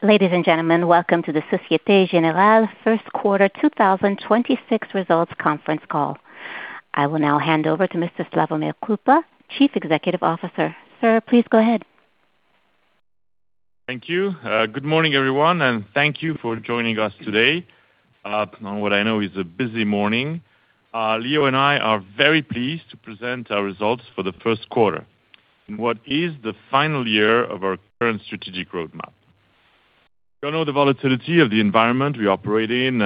Ladies and gentlemen, welcome to the Société Générale First Quarter 2026 Results conference call. I will now hand over to Mr. Slawomir Krupa, Chief Executive Officer. Sir, please go ahead. Thank you. Good morning, everyone, and thank you for joining us today, on what I know is a busy morning. Leo and I are very pleased to present our results for the first quarter in what is the final year of our current strategic roadmap. You all know the volatility of the environment we operate in.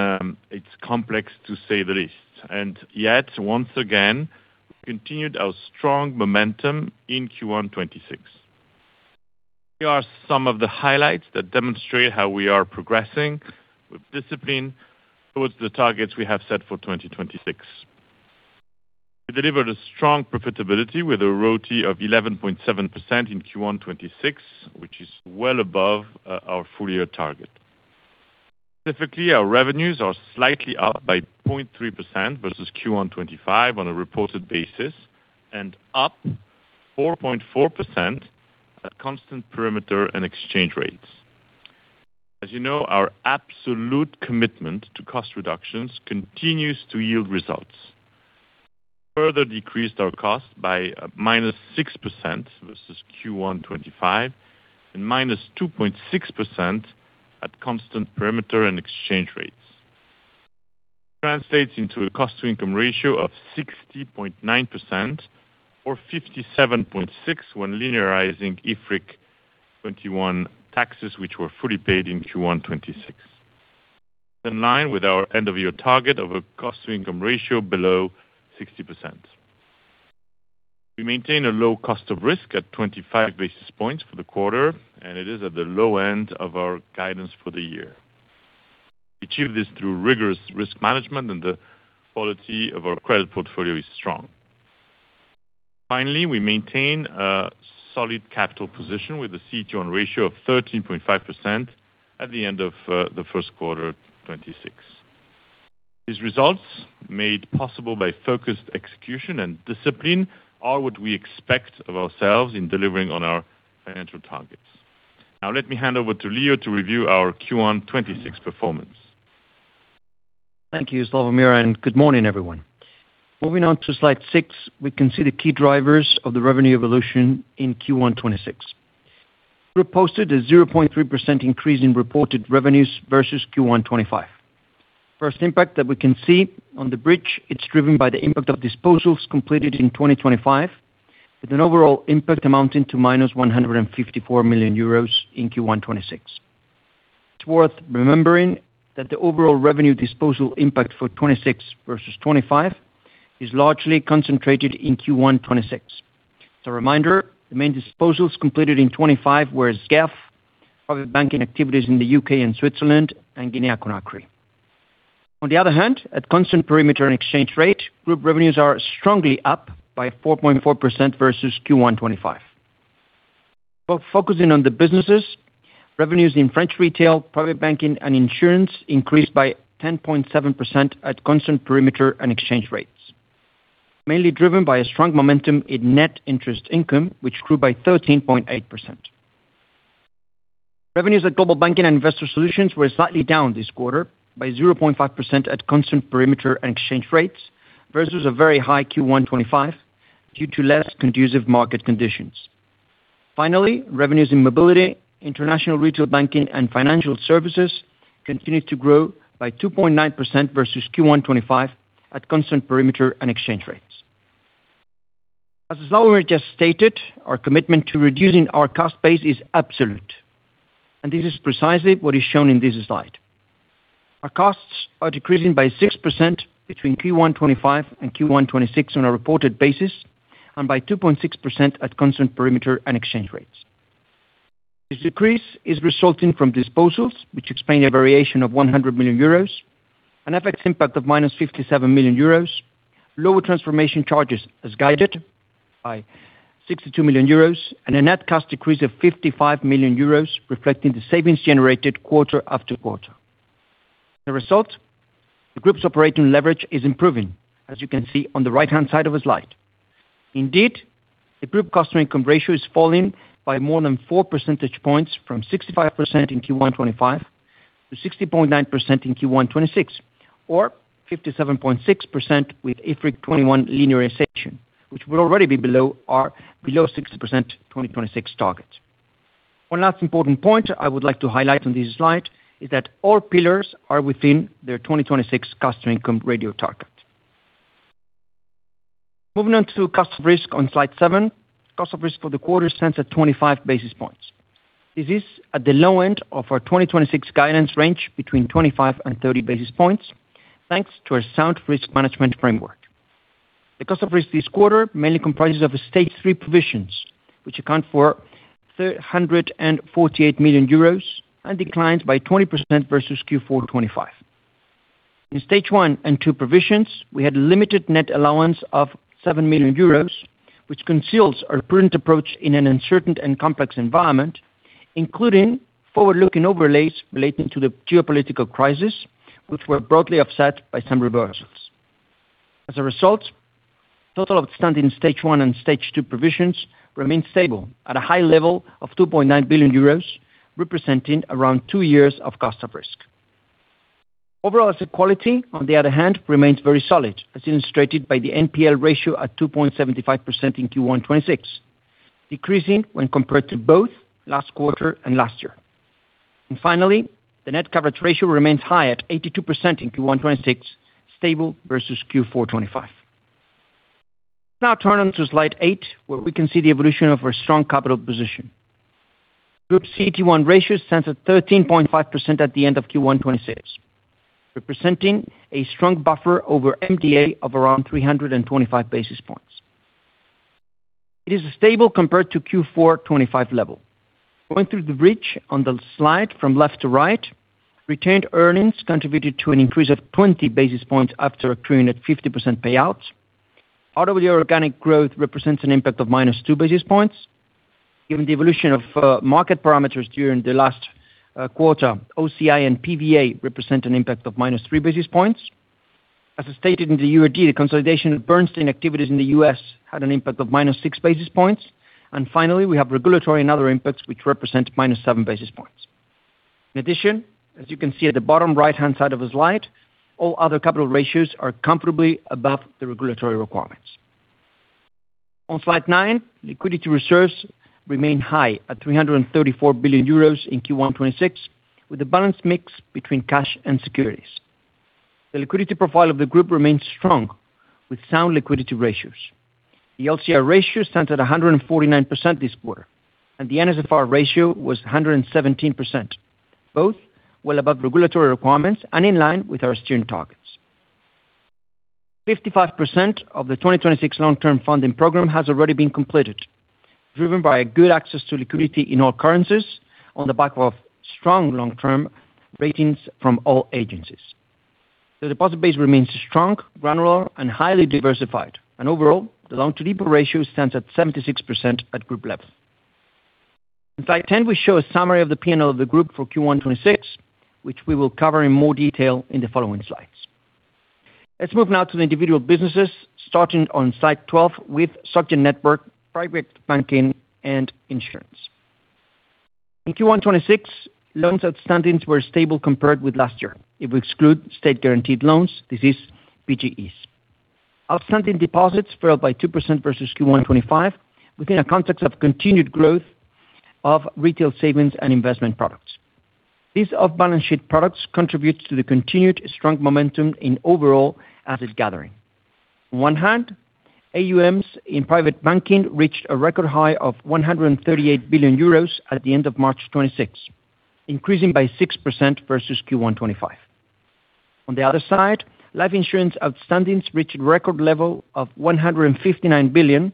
It's complex to say the least, and yet, once again, we continued our strong momentum in Q1 2026. Here are some of the highlights that demonstrate how we are progressing with discipline towards the targets we have set for 2026. We delivered a strong profitability with a ROTE of 11.7% in Q1 2026, which is well above our full year target. Specifically, our revenues are slightly up by 0.3% versus Q1 2025 on a reported basis, and up 4.4% at constant perimeter and exchange rates. As you know, our absolute commitment to cost reductions continues to yield results. Further decreased our cost by -6% versus Q1 2025 and -2.6% at constant perimeter and exchange rates. Translates into a cost-to-income ratio of 60.9% or 57.6% when linearizing IFRIC 21 taxes, which were fully paid in Q1 2026. In line with our end of year target of a cost-to-income ratio below 60%. We maintain a low cost of risk at 25 basis points for the quarter, it is at the low end of our guidance for the year. We achieve this through rigorous risk management, the quality of our credit portfolio is strong. Finally, we maintain a solid capital position with the CET1 ratio of 13.5% at the end of the Q1 2026. These results, made possible by focused execution and discipline, are what we expect of ourselves in delivering on our financial targets. Now let me hand over to Leo to review our Q1 2026 performance. Thank you, Slawomir, and good morning, everyone. Moving on to slide six, we can see the key drivers of the revenue evolution in Q1 2026. We posted a 0.3% increase in reported revenues versus Q1 2025. First impact that we can see on the bridge, it's driven by the impact of disposals completed in 2025 with an overall impact amounting to -154 million euros in Q1 2026. It's worth remembering that the overall revenue disposal impact for 2026 versus 2025 is largely concentrated in Q1 2026. As a reminder, the main disposals completed in 2025 were SGEF, private banking activities in the U.K. and Switzerland, and Guinea-Conakry. At constant perimeter and exchange rate, group revenues are strongly up by 4.4% versus Q1 2025. Both focusing on the businesses, revenues in French retail, private banking, and insurance increased by 10.7% at constant perimeter and exchange rates, mainly driven by a strong momentum in net interest income, which grew by 13.8%. Revenues at Global Banking and Investor Solutions were slightly down this quarter by 0.5% at constant perimeter and exchange rates versus a very high Q1 2025 due to less conducive market conditions. Finally, revenues in mobility, international retail banking, and financial services continued to grow by 2.9% versus Q1 2025 at constant perimeter and exchange rates. As Slawomir just stated, our commitment to reducing our cost base is absolute, and this is precisely what is shown in this slide. Our costs are decreasing by 6% between Q1 2025 and Q1 2026 on a reported basis, and by 2.6% at constant perimeter and exchange rates. This decrease is resulting from disposals, which explain a variation of 100 million euros, an FX impact of -57 million euros, lower transformation charges as guided by 62 million euros, and a net cost decrease of 55 million euros, reflecting the savings generated quarter after quarter. The result, the group's operating leverage is improving, as you can see on the right-hand side of the slide. Indeed, the group cost-to-income ratio is falling by more than 4 percentage points from 65% in Q1 2025 to 60.9% in Q1 2026, or 57.6% with IFRIC 21 linearization, which will already be below our 60% 2026 target. One last important point I would like to highlight on this slide is that all pillars are within their 2026 cost-to-income ratio target. Moving on to cost of risk on slide seven. Cost of risk for the quarter stands at 25 basis points. This is at the low end of our 2026 guidance range, between 25 basis points-30 basis points, thanks to our sound risk management framework. The cost of risk this quarter mainly comprises of stage three provisions, which account for 148 million euros and declines by 20% versus Q4 '25. In stage one and two provisions, we had limited net allowance of 7 million euros, which conceals our prudent approach in an uncertain and complex environment, including forward-looking overlays relating to the geopolitical crisis, which were broadly offset by some reversals. As a result, total outstanding stage one and stage two provisions remain stable at a high level of 2.9 billion euros, representing around two years of cost of risk. Overall asset quality, on the other hand, remains very solid, as illustrated by the NPL ratio at 2.75% in Q1 2026, decreasing when compared to both last quarter and last year. Finally, the net coverage ratio remains high at 82% in Q1 2026, stable versus Q4 2025. Turn on to slide eight, where we can see the evolution of our strong capital position. Group CET1 ratios stands at 13.5% at the end of Q1 2026, representing a strong buffer over MDA of around 325 basis points. It is stable compared to Q4 2025 level. Going through the bridge on the slide from left to right, retained earnings contributed to an increase of 20 basis points after accruing at 50% payouts. RWA organic growth represents an impact of -2 basis points. Given the evolution of market parameters during the last quarter, OCI and PVA represent an impact of -3 basis points. As stated in the UAR, the consolidation of Bernstein activities in the U.S. had an impact of -6 basis points. Finally, we have regulatory and other impacts which represent -7 basis points. In addition, as you can see at the bottom right-hand side of the slide, all other capital ratios are comfortably above the regulatory requirements. On slide nine, liquidity reserves remain high at 334 billion euros in Q1 2026, with a balanced mix between cash and securities. The liquidity profile of the group remains strong, with sound liquidity ratios. The LCR ratio stands at 149% this quarter, and the NSFR ratio was 117%, both well above regulatory requirements and in line with our steering targets. 55% of the 2026 long-term funding program has already been completed, driven by good access to liquidity in all currencies on the back of strong long-term ratings from all agencies. The deposit base remains strong, granular, and highly diversified, and overall, the loan-to-deposit ratio stands at 76% at group level. In slide 10, we show a summary of the P&L of the group for Q1 2026, which we will cover in more detail in the following slides. Let's move now to the individual businesses, starting on slide 12 with SG Network, Private Banking, and Insurance. In Q1 2026, loans outstandings were stable compared with last year. If we exclude state-guaranteed loans, this is PGEs. Outstanding deposits fell by 2% versus Q1 2025, within a context of continued growth of retail savings and investment products. These off-balance sheet products contributes to the continued strong momentum in overall asset gathering. On one hand, AUMs in private banking reached a record high of 138 billion euros at the end of March 2026, increasing by 6% versus Q1 2025. On the other side, life insurance outstandings reached record level of 159 billion,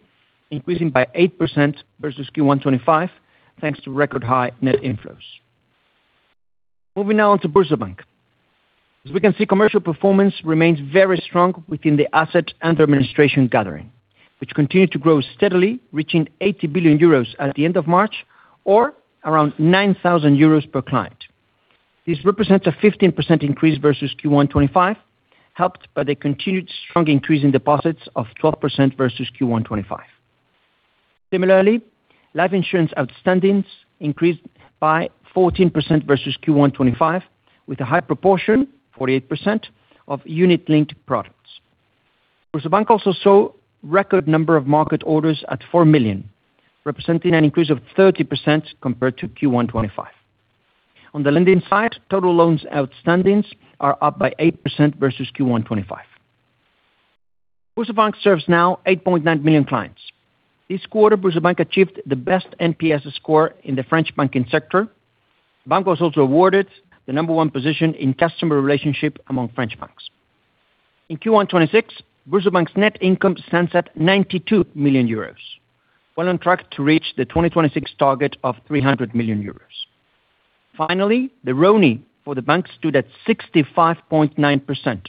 increasing by 8% versus Q1 2025, thanks to record high net inflows. Moving now on to BoursoBank. As we can see, commercial performance remains very strong within the asset under administration gathering, which continued to grow steadily, reaching 80 billion euros at the end of March or around 9,000 euros per client. This represents a 15% increase versus Q1 2025, helped by the continued strong increase in deposits of 12% versus Q1 2025. Similarly, life insurance outstandings increased by 14% versus Q1 2025, with a high proportion, 48%, of unit-linked products. BoursoBank also saw record number of market orders at 4 million, representing an increase of 30% compared to Q1 2025. On the lending side, total loans outstandings are up by 8% versus Q1 2025. BoursoBank serves now 8.9 million clients. This quarter, BoursoBank achieved the best NPS score in the French banking sector. Bank was also awarded the number one position in customer relationship among French banks. In Q1 2026, BoursoBank's net income stands at 92 million euros. Well on track to reach the 2026 target of 300 million euros. Finally, the ROE for the bank stood at 65.9%.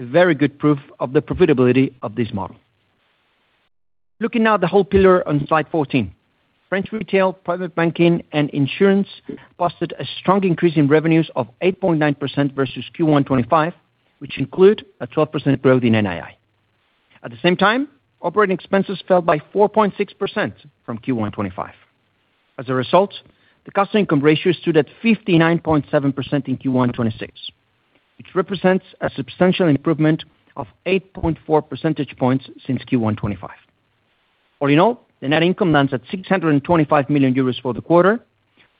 A very good proof of the profitability of this model. Looking now at the whole pillar on slide 14, French Retail, Private Banking, and Insurance posted a strong increase in revenues of 8.9% versus Q1 2025, which include a 12% growth in NII. At the same time, operating expenses fell by 4.6% from Q1 2025. As a result, the cost-to-income ratio stood at 59.7% in Q1 2026, which represents a substantial improvement of 8.4 percentage points since Q1 2025. All in all, the net income lands at 625 million euros for the quarter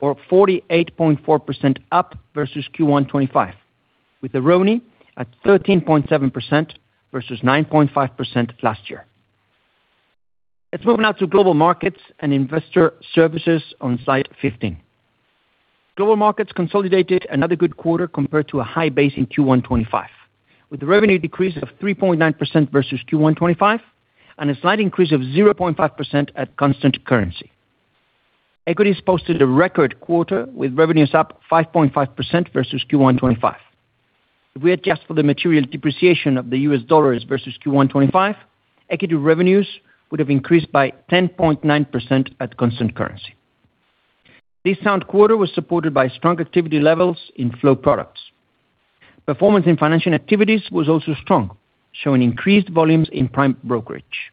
or 48.4% up versus Q1 2025, with the ROE at 13.7% versus 9.5% last year. Let's move now to Global Markets and Investor Solutions on slide 15. Global Markets consolidated another good quarter compared to a high base in Q1 2025, with a revenue decrease of 3.9% versus Q1 2025 and a slight increase of 0.5% at constant currency. Equities posted a record quarter with revenues up 5.5% versus Q1 2025. If we adjust for the material depreciation of the US dollars versus Q1 2025, equity revenues would have increased by 10.9% at constant currency. This sound quarter was supported by strong activity levels in flow products. Performance in financial activities was also strong, showing increased volumes in prime brokerage.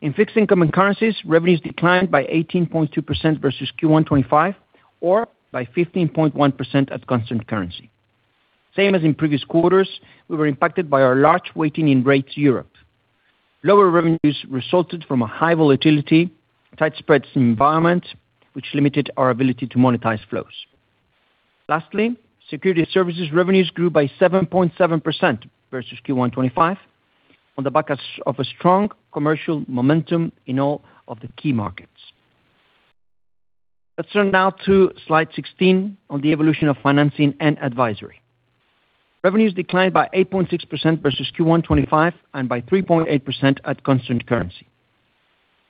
In fixed income and currencies, revenues declined by 18.2% versus Q1 2025, or by 15.1% at constant currency. Same as in previous quarters, we were impacted by our large weighting in rates Europe. Lower revenues resulted from a high volatility, tight spreads environment, which limited our ability to monetize flows. Lastly, security services revenues grew by 7.7% versus Q1 2025 on the back of a strong commercial momentum in all of the key markets. Let's turn now to slide 16 on the evolution of financing and advisory. Revenues declined by 8.6% versus Q1 2025, and by 3.8% at constant currency.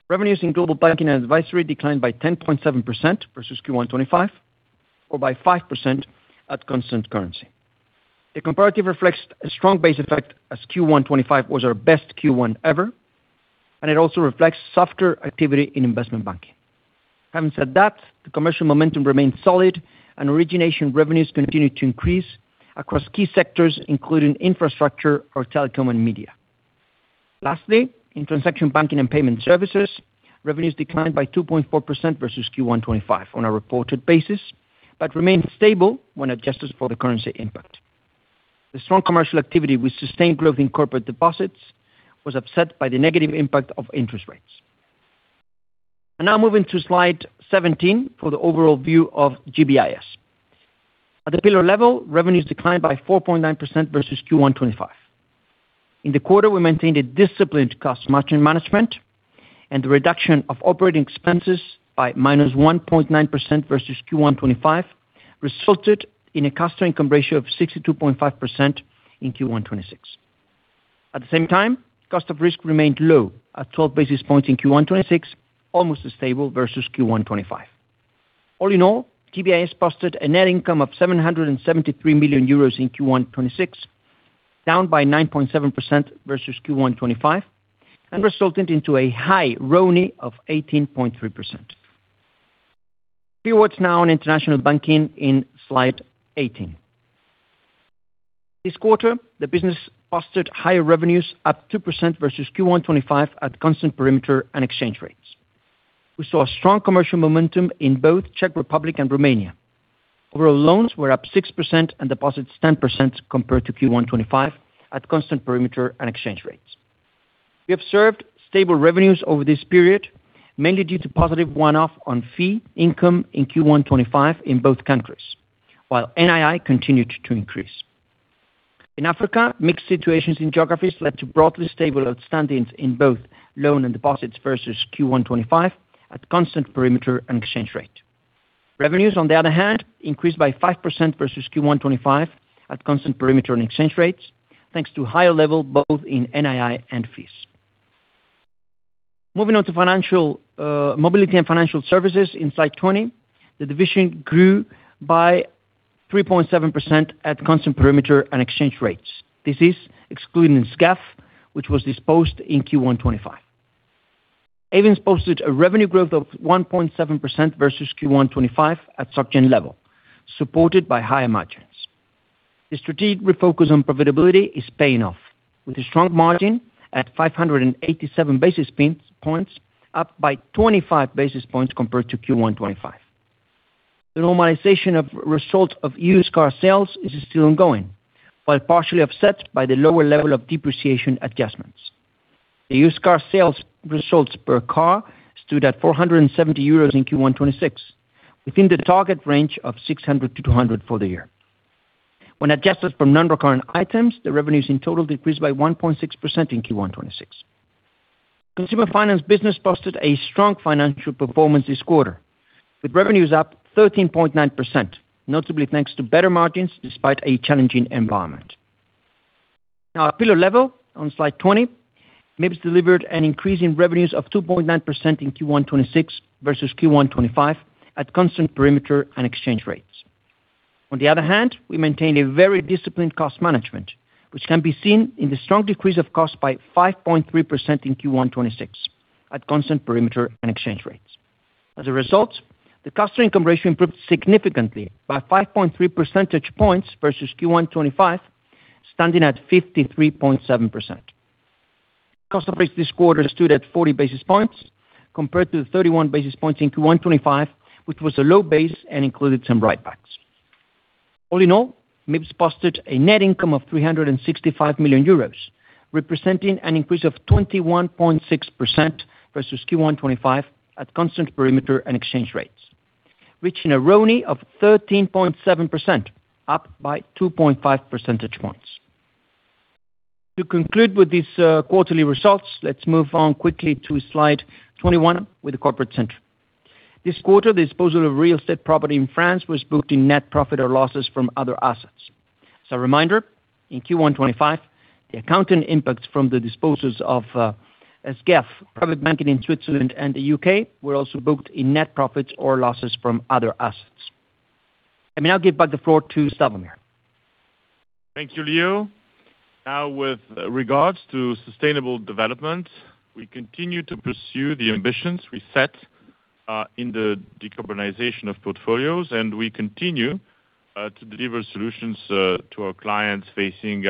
Revenues in Global Banking & Advisory declined by 10.7% versus Q1 2025, or by 5% at constant currency. The comparative reflects a strong base effect as Q1 2025 was our best Q1 ever, and it also reflects softer activity in investment banking. Having said that, the commercial momentum remains solid, and origination revenues continue to increase across key sectors, including infrastructure or telecom and media. Lastly, in Transaction Banking and Payment Services, revenues declined by 2.4% versus Q1 2025 on a reported basis, but remained stable when adjusted for the currency impact. The strong commercial activity with sustained growth in corporate deposits was upset by the negative impact of interest rates. Now moving to slide 17 for the overall view of GBIS. At the pillar level, revenues declined by 4.9% versus Q1 2025. In the quarter, we maintained a disciplined cost margin management and the reduction of operating expenses by -1.9% versus Q1 2025 resulted in a cost-to-income ratio of 62.5% in Q1 2026. At the same time, cost of risk remained low at 12 basis points in Q1 2026, almost stable versus Q1 2025. All in all, GBIS posted a net income of 773 million euros in Q1 2026, down by 9.7% versus Q1 2025, and resulted into a high RONE of 18.3%. Few words now on international banking in slide 18. This quarter, the business posted higher revenues, up 2% versus Q1 2025 at constant perimeter and exchange rates. We saw a strong commercial momentum in both Czech Republic and Romania. Overall loans were up 6% and deposits 10% compared to Q1 2025 at constant perimeter and exchange rates. We observed stable revenues over this period, mainly due to positive one-off on fee income in Q1 2025 in both countries, while NII continued to increase. In Africa, mixed situations in geographies led to broadly stable outstandings in both loan and deposits versus Q1 2025 at constant perimeter and exchange rate. Revenues, on the other hand, increased by 5% versus Q1 2025 at constant perimeter and exchange rates, thanks to higher level, both in NII and fees. Moving on to financial mobility and financial services in slide 20, the division grew by 3.7% at constant perimeter and exchange rates. This is excluding SGEF, which was disposed in Q1 2025. Ayvens posted a revenue growth of 1.7% versus Q1 2025 at SG level, supported by higher margins. The strategic refocus on profitability is paying off, with a strong margin at 587 basis points, up by 25 basis points compared to Q1 2025. The normalization of results of used car sales is still ongoing, but partially offset by the lower level of depreciation adjustments. The used car sales results per car stood at 470 euros in Q1 2026, within the target range of 600- 200 for the year. When adjusted from non-recurrent items, the revenues in total decreased by 1.6% in Q1 2026. Consumer finance business posted a strong financial performance this quarter, with revenues up 13.9%, notably thanks to better margins despite a challenging environment. At pillar level, on slide 20, MIRBS delivered an increase in revenues of 2.9% in Q1 2026 versus Q1 2025 at constant perimeter and exchange rates. We maintained a very disciplined cost management, which can be seen in the strong decrease of cost by 5.3% in Q1 2026 at constant perimeter and exchange rates. The cost income ratio improved significantly by 5.3 percentage points versus Q1 2025, standing at 53.7%. Cost of risk this quarter stood at 40 basis points compared to the 31 basis points in Q1 2025, which was a low base and included some write-backs. All in all, MIRBS posted a net income of 365 million euros, representing an increase of 21.6% versus Q1 2025 at constant perimeter and exchange rates, reaching a RONI of 13.7%, up by 2.5 percentage points. To conclude with these quarterly results, let's move on quickly to slide 21 with the corporate center. This quarter, the disposal of real estate property in France was booked in net profit or losses from other assets. As a reminder, in Q1 2025, the accounting impact from the disposals of SGEF, private banking in Switzerland and the U.K. were also booked in net profits or losses from other assets. Let me now give back the floor to Slawomir. Thank you, Leo. With regards to sustainable development, we continue to pursue the ambitions we set in the decarbonization of portfolios, and we continue to deliver solutions to our clients facing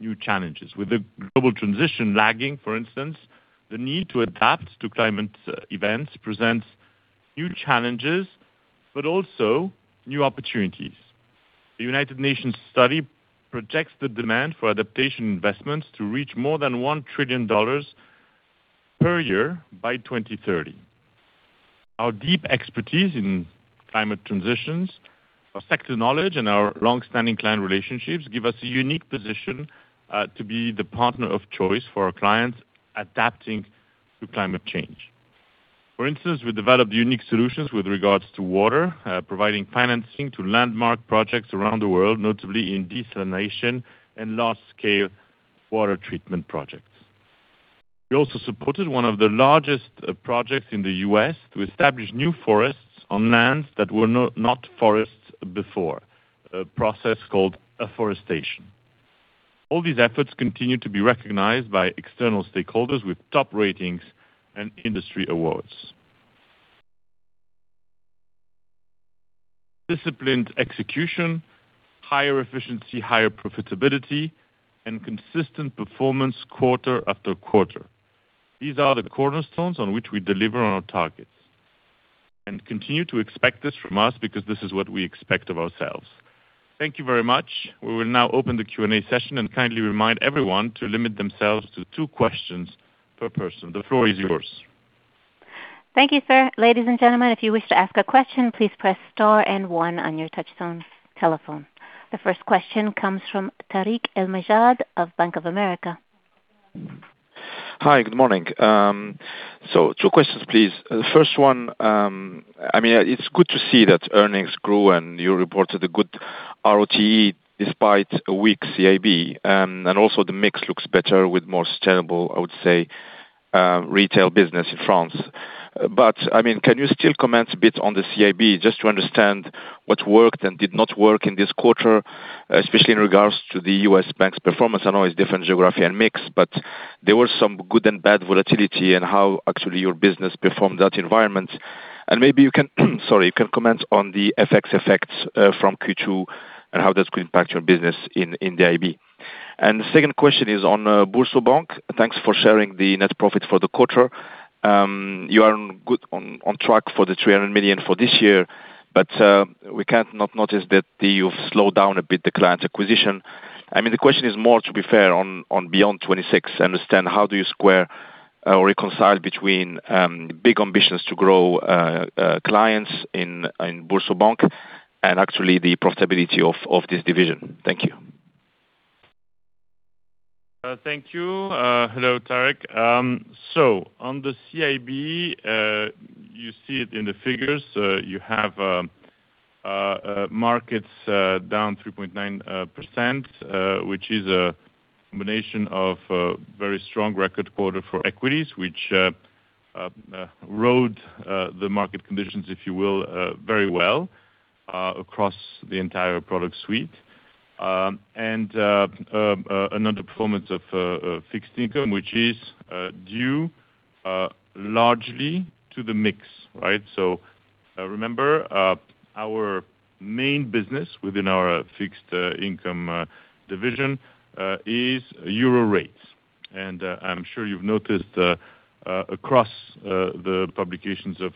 new challenges. With the global transition lagging, for instance, the need to adapt to climate events presents new challenges, but also new opportunities. The United Nations study projects the demand for adaptation investments to reach more than 1 trillion dollars per year by 2030. Our deep expertise in climate transitions, our sector knowledge and our long-standing client relationships give us a unique position to be the partner of choice for our clients adapting to climate change. For instance, we developed unique solutions with regards to water, providing financing to landmark projects around the world, notably in desalination and large-scale water treatment projects. We also supported one of the largest projects in the U.S. to establish new forests on lands that were not forests before, a process called afforestation. All these efforts continue to be recognized by external stakeholders with top ratings and industry awards. Disciplined execution, higher efficiency, higher profitability, and consistent performance quarter after quarter. These are the cornerstones on which we deliver on our targets. Continue to expect this from us because this is what we expect of ourselves. Thank you very much. We will now open the Q&A session and kindly remind everyone to limit themselves to two questions per person. The floor is yours. Thank you, sir. Ladies and gentlemen, if you wish to ask a question, please press star one on your touch tone telephone. The first question comes from Tarik El Mejjad of Bank of America. Hi, good morning. So two questions, please. The first one, I mean, it's good to see that earnings grew and you reported a good ROT despite a weak CIB. Also the mix looks better with more sustainable, I would say, retail business in France. I mean, can you still comment a bit on the CIB just to understand what worked and did not work in this quarter, especially in regards to the U.S. bank's performance? I know it's different geography and mix, there were some good and bad volatility in how actually your business performed that environment. Maybe you can, sorry, you can comment on the FX effects from Q2 and how that's going to impact your business in the IB. The second question is on BoursoBank. Thanks for sharing the net profit for the quarter. You are on track for the 300 million for this year. We can't not notice that you've slowed down a bit the client acquisition. I mean, the question is more to be fair on Beyond 2026, understand how do you square or reconcile between big ambitions to grow clients in BoursoBank and actually the profitability of this division. Thank you. Thank you. Hello, Tarik. On the CIB, you see it in the figures. You have markets down 3.9%, which is a combination of very strong record quarter for equities, which rode the market conditions, if you will, very well across the entire product suite. Another performance of fixed income, which is due largely to the mix, right? Remember, our main business within our fixed income division is euro rates. I'm sure you've noticed across the publications of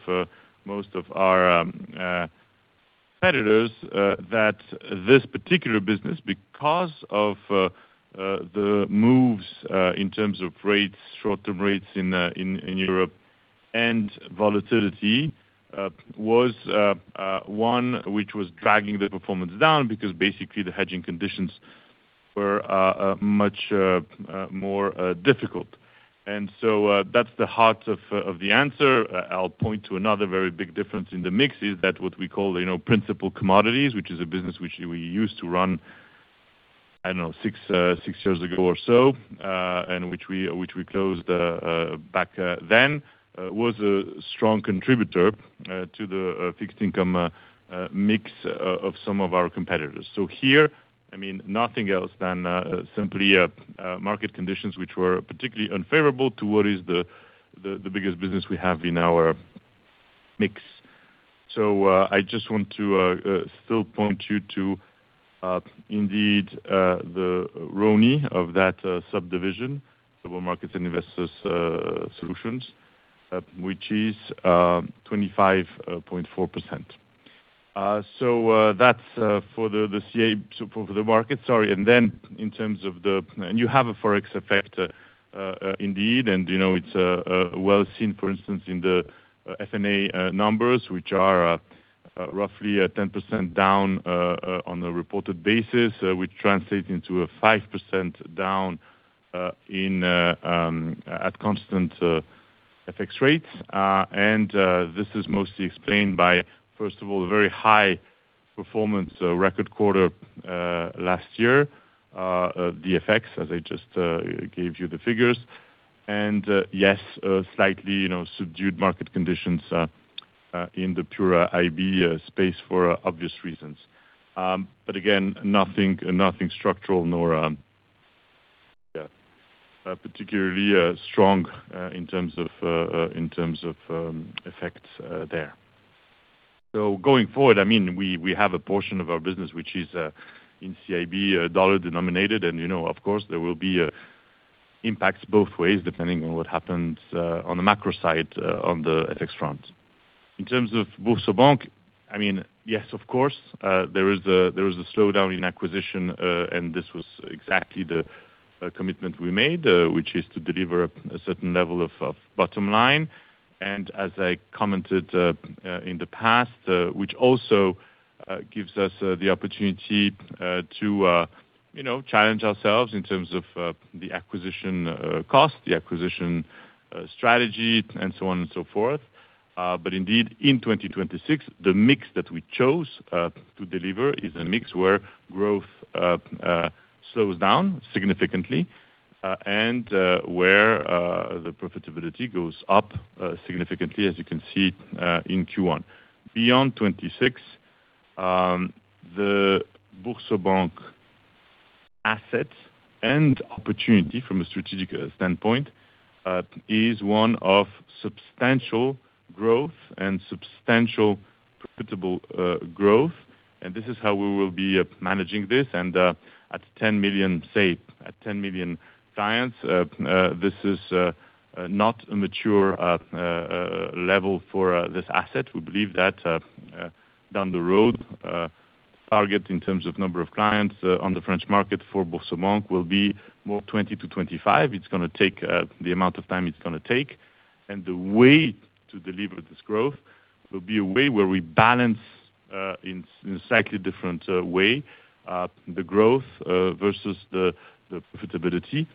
most of our competitors that this particular business, because of the moves in terms of rates, short-term rates in Europe and volatility, was one which was dragging the performance down because basically the hedging conditions were much more difficult. That's the heart of the answer. I'll point to another very big difference in the mix is that what we call, you know, principal commodities, which is a business which we used to run, I don't know, six years ago or so, and which we, which we closed back then, was a strong contributor to the fixed income mix of some of our competitors. Here, I mean, nothing else than simply market conditions which were particularly unfavorable to what is the, the biggest business we have in our mix. I just want to still point you to indeed the RONI of that subdivision, Global Markets and Investor Solutions, which is 25.4%. That's for the market, sorry. Then in terms of the you have a Forex effect indeed, and, you know, it's well seen, for instance, in the F&A numbers, which are roughly at 10% down on a reported basis, which translates into a 5% down in at constant FX rates. This is mostly explained by, first of all, the very high performance, record quarter last year of the FX, as I just gave you the figures. Yes, slightly, you know, subdued market conditions in the pure IB space for obvious reasons. But again, nothing structural nor, yeah, a particularly strong in terms of effects there. Going forward, I mean, we have a portion of our business which is in CIB, dollar-denominated, and you know, of course, there will be a impact both ways depending on what happens on the macro side on the FX front. In terms of BoursoBank, I mean, yes, of course, there is a slowdown in acquisition, and this was exactly the commitment we made, which is to deliver a certain level of bottom line. As I commented in the past, which also gives us the opportunity to, you know, challenge ourselves in terms of the acquisition cost, the acquisition strategy, and so on and so forth. Indeed, in 2026, the mix that we chose to deliver is a mix where growth slows down significantly, and where the profitability goes up significantly, as you can see in Q1. Beyond 2026, the BoursoBank assets and opportunity from a strategic standpoint is one of substantial growth and substantial profitable growth. This is how we will be managing this. At 10 million, say, at 10 million clients, this is not a mature level for this asset. We believe that down the road, target in terms of number of clients on the French market for BoursoBank will be more 20-25. It's gonna take the amount of time it's gonna take, and the way to deliver this growth will be a way where we balance in a slightly different way the growth versus the profitability.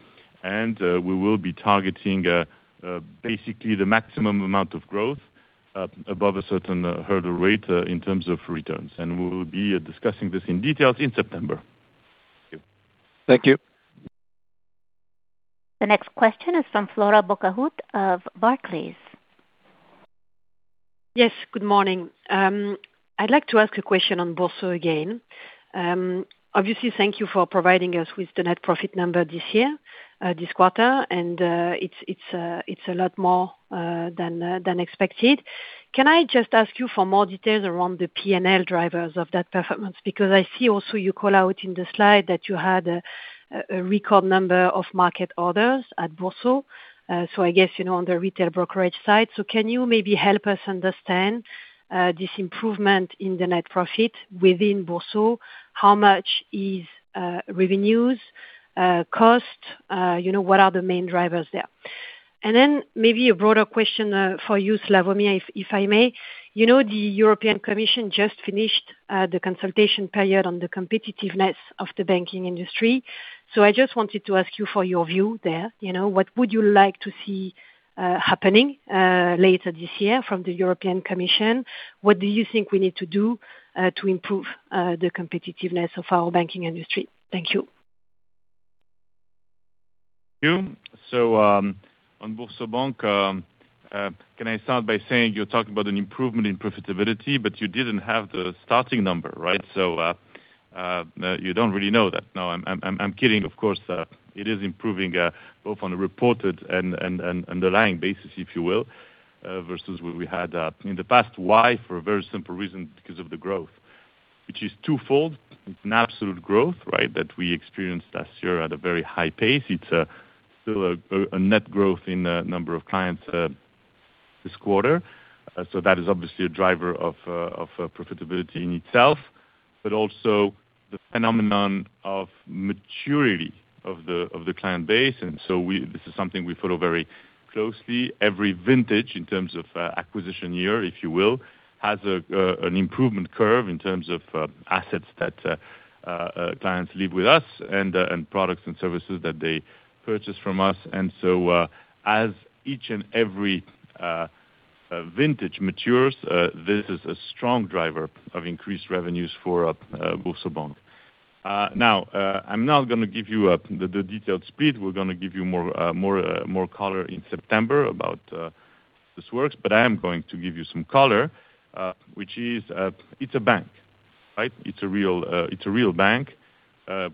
We will be targeting basically the maximum amount of growth above a certain hurdle rate in terms of returns. We will be discussing this in details in September. Thank you. Thank you. The next question is from Flora Bocahut of Barclays. Yes, good morning. I'd like to ask a question on BoursoBank again. Obviously, thank you for providing us with the net profit number this year, this quarter, and it's a lot more than expected. Can I just ask you for more details around the P&L drivers of that performance? Because I see also you call out in the slide that you had a record number of market orders at BoursoBank. So I guess, you know, on the retail brokerage side. Can you maybe help us understand this improvement in the net profit within BoursoBank? How much is revenues, cost? You know, what are the main drivers there? Then maybe a broader question for you, Slawomir, if I may. You know, the European Commission just finished the consultation period on the competitiveness of the banking industry. I just wanted to ask you for your view there. You know, what would you like to see happening later this year from the European Commission? What do you think we need to do to improve the competitiveness of our banking industry? Thank you. On BoursoBank, can I start by saying you're talking about an improvement in profitability, but you didn't have the starting number, right? You don't really know that. No, I'm kidding, of course. It is improving, both on a reported and underlying basis, if you will, versus what we had in the past. Why? For a very simple reason, because of the growth, which is twofold. It's an absolute growth, right, that we experienced last year at a very high pace. It's still a net growth in the number of clients this quarter. That is obviously a driver of profitability in itself, but also the phenomenon of maturity of the client base. This is something we follow very closely. Every vintage in terms of acquisition year, if you will, has an improvement curve in terms of assets that clients leave with us and products and services that they purchase from us. As each and every vintage matures, this is a strong driver of increased revenues for BoursoBank. Now, I'm not gonna give you the detailed speed. We're gonna give you more, more, more color in September about this works. I am going to give you some color, which is, it's a bank, right? It's a real, it's a real bank,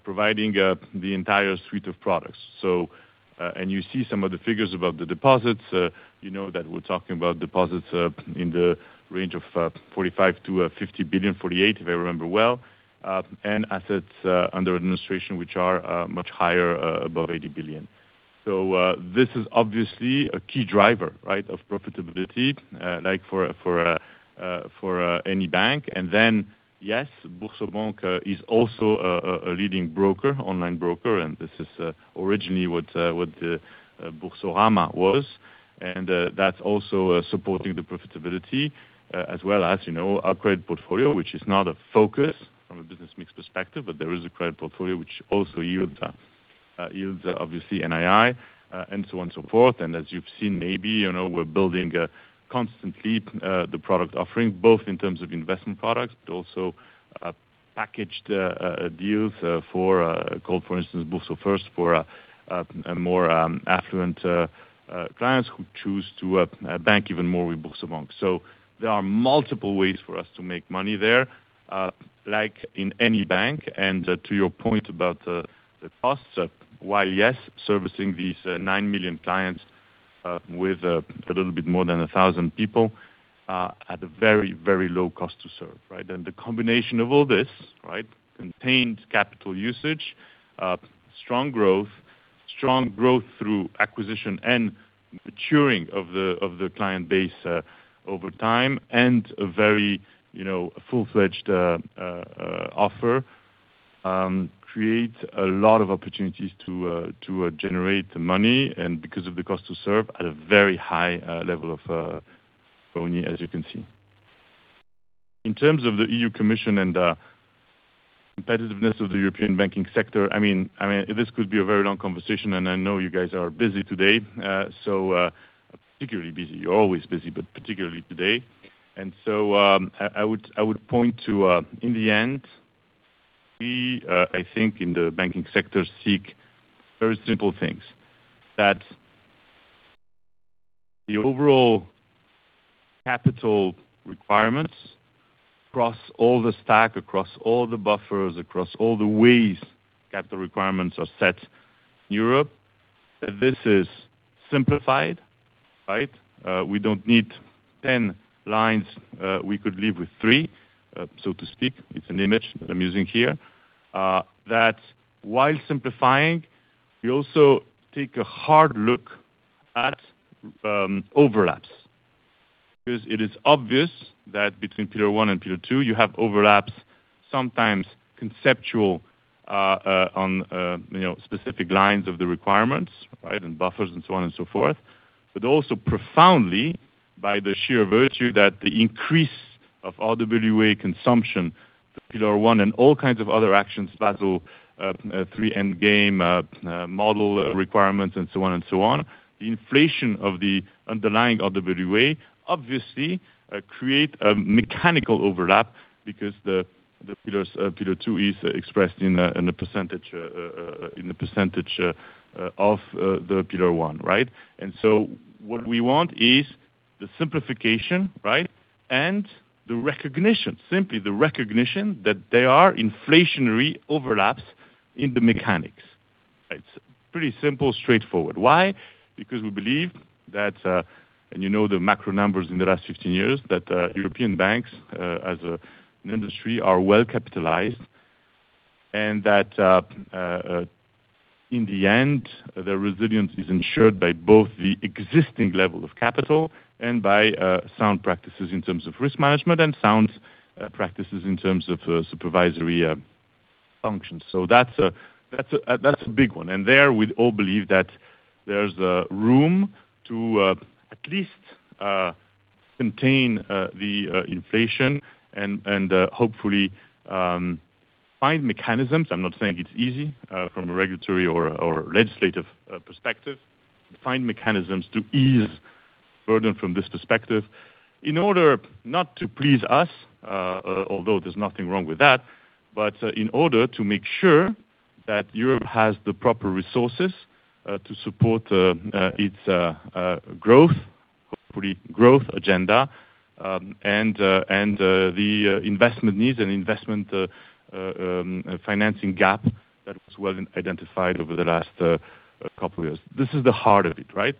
providing the entire suite of products. You see some of the figures above the deposits. You know that we're talking about deposits in the range of 45 billion-50 billion, 48 billion, if I remember well, and assets under administration, which are much higher, above 80 billion. This is obviously a key driver, right, of profitability, like for any bank. Yes, BoursoBank is also a leading broker, online broker, and this is originally what Boursorama was. That's also supporting the profitability, as well as, you know, our credit portfolio, which is not a focus from a business mix perspective, but there is a credit portfolio which also yields obviously NII, and so on and so forth. As you've seen maybe, you know, we're building constantly the product offering, both in terms of investment products, but also packaged deals, for instance, BoursoFirst for a more affluent clients who choose to bank even more with Boursorama. There are multiple ways for us to make money there, like in any bank. To your point about the costs, while yes, servicing these 9 million clients with a little bit more than 1,000 people at a very, very low cost to serve, right? The combination of all this, right, contained capital usage, strong growth, strong growth through acquisition and maturing of the client base, over time, and a very, you know, full-fledged offer, creates a lot of opportunities to generate the money and because of the cost to serve at a very high level of ROI, as you can see. In terms of the European Commission and competitiveness of the European banking sector, I mean, I mean, this could be a very long conversation, and I know you guys are busy today, so particularly busy. You're always busy, but particularly today. I would point to, in the end, we, I think in the banking sector seek very simple things. That the overall capital requirements across all the stack, across all the buffers, across all the ways capital requirements are set Europe, that this is simplified, right? We don't need 10 lines, we could live with three, so to speak. It's an image that I'm using here. That while simplifying, we also take a hard look at overlaps. Because it is obvious that between Pillar 1 and Pillar 2, you have overlaps, sometimes conceptual, on, you know, specific lines of the requirements, right, and buffers and so on and so forth. Also profoundly by the sheer virtue that the increase of RWA consumption, the Pillar 1 and all kinds of other actions, Basel, 3 end game, model requirements and so on and so on. The inflation of the underlying RWA obviously, create a mechanical overlap because the Pillars, Pillar 2 is expressed in a percentage of the Pillar 1, right? What we want is the simplification, right, and the recognition, simply the recognition that there are inflationary overlaps in the mechanics. It's pretty simple, straightforward. Why? Because we believe that, and you know the macro numbers in the last 15 years, that European banks as an industry are well capitalized, and that in the end, their resilience is ensured by both the existing level of capital and by sound practices in terms of risk management and sound practices in terms of supervisory functions. That's a big one. There we all believe that there's a room to at least contain the inflation and hopefully find mechanisms. I'm not saying it's easy from a regulatory or legislative perspective. Find mechanisms to ease burden from this perspective in order not to please us, although there's nothing wrong with that, but in order to make sure that Europe has the proper resources to support its growth, hopefully growth agenda, and the investment needs and investment financing gap that was well identified over the last couple of years. This is the heart of it, right?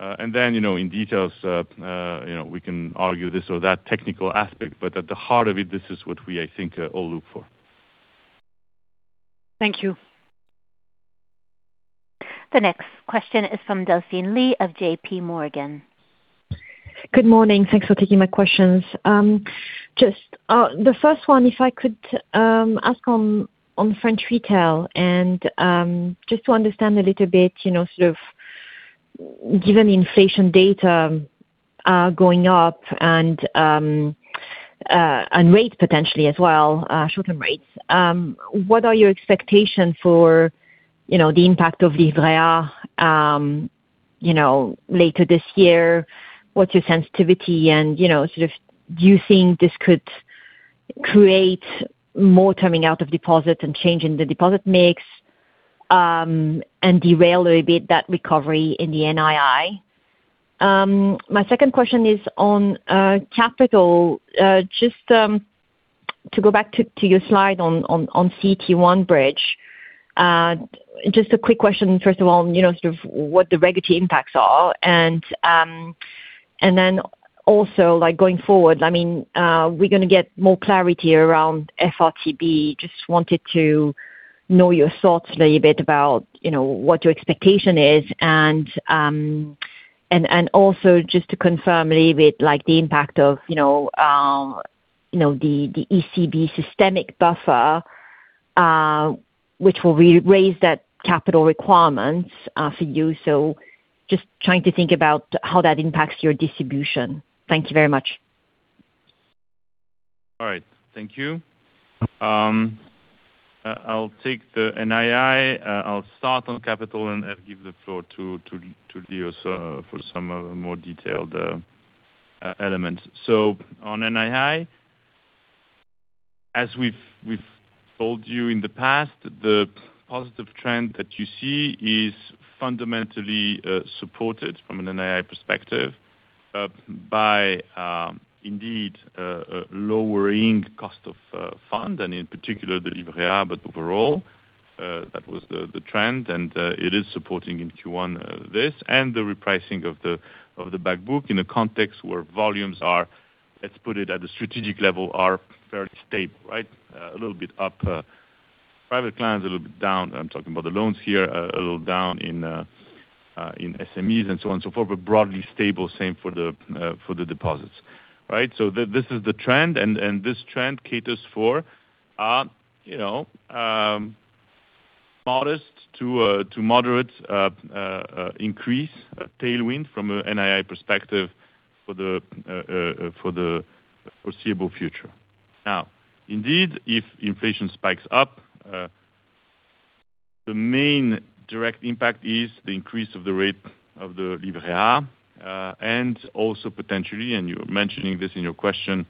You know, in details, you know, we can argue this or that technical aspect, but at the heart of it, this is what we, I think, all look for. Thank you. The next question is from [Delphine] Lee of J.P. Morgan. Good morning. Thanks for taking my questions. Just the first one, if I could ask on French retail and just to understand a little bit, you know, sort of given the inflation data going up and rates potentially as well, short-term rates, what are your expectation for, you know, the impact of Livret A, later this year? What's your sensitivity? You know, sort of do you think this could create more terming out of deposits and change in the deposit mix and derail a bit that recovery in the NII? My second question is on capital. Just to go back to your slide on CET1 bridge. Just a quick question, first of all, you know, sort of what the regulatory impacts are, then also, like going forward, I mean, we're gonna get more clarity around FRTB. Just wanted to know your thoughts a little bit about, you know, what your expectation is, and also just to confirm a little bit like the impact of, you know, the ECB systemic buffer, which will re-raise that capital requirements for you. Just trying to think about how that impacts your distribution. Thank you very much. All right. Thank you. I'll take the NII. I'll start on capital and give the floor to Leo for some more detailed elements. On NII, as we've told you in the past, the positive trend that you see is fundamentally supported from an NII perspective by indeed lowering cost of fund and in particular the Livret A. Overall, that was the trend and it is supporting in Q1 this and the repricing of the back book in a context where volumes are, let's put it at a strategic level, are fairly stable, right? A little bit up. Private clients a little bit down. I'm talking about the loans here, a little down in SMEs and so on and so forth. Broadly stable, same for the for the deposits, right? This is the trend, and this trend caters for modest to moderate increase tailwind from a NII perspective for the foreseeable future. Indeed, if inflation spikes up, the main direct impact is the increase of the rate of the Livret A, and also potentially, and you're mentioning this in your question,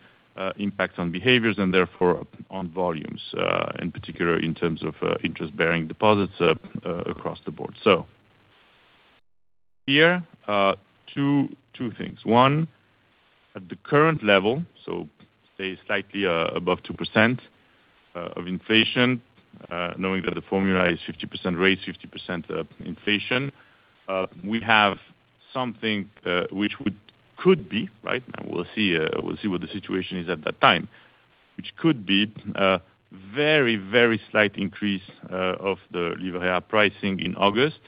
impacts on behaviors and therefore on volumes, in particular in terms of interest-bearing deposits across the board. Here are two things. One, at the current level, say slightly above 2% of inflation, knowing that the formula is 50% rates, 50% inflation, we have something which could be, right? We'll see, we'll see what the situation is at that time, which could be a very, very slight increase of the Livret A pricing in August,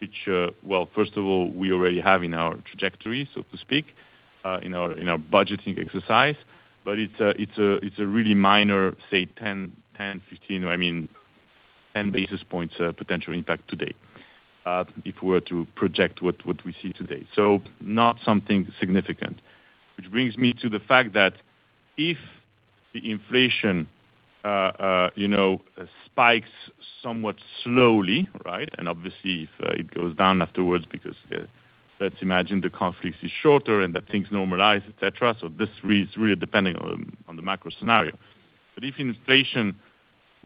which, well, first of all, we already have in our trajectory, so to speak, in our budgeting exercise. It's a really minor, say 10, 15 or, I mean, 10 basis points potential impact today, if we were to project what we see today. Not something significant. Which brings me to the fact that if the inflation, you know, spikes somewhat slowly, right? Obviously, if it goes down afterwards because, let's imagine the conflict is shorter and that things normalize, et cetera. This is really depending on the macro scenario. If inflation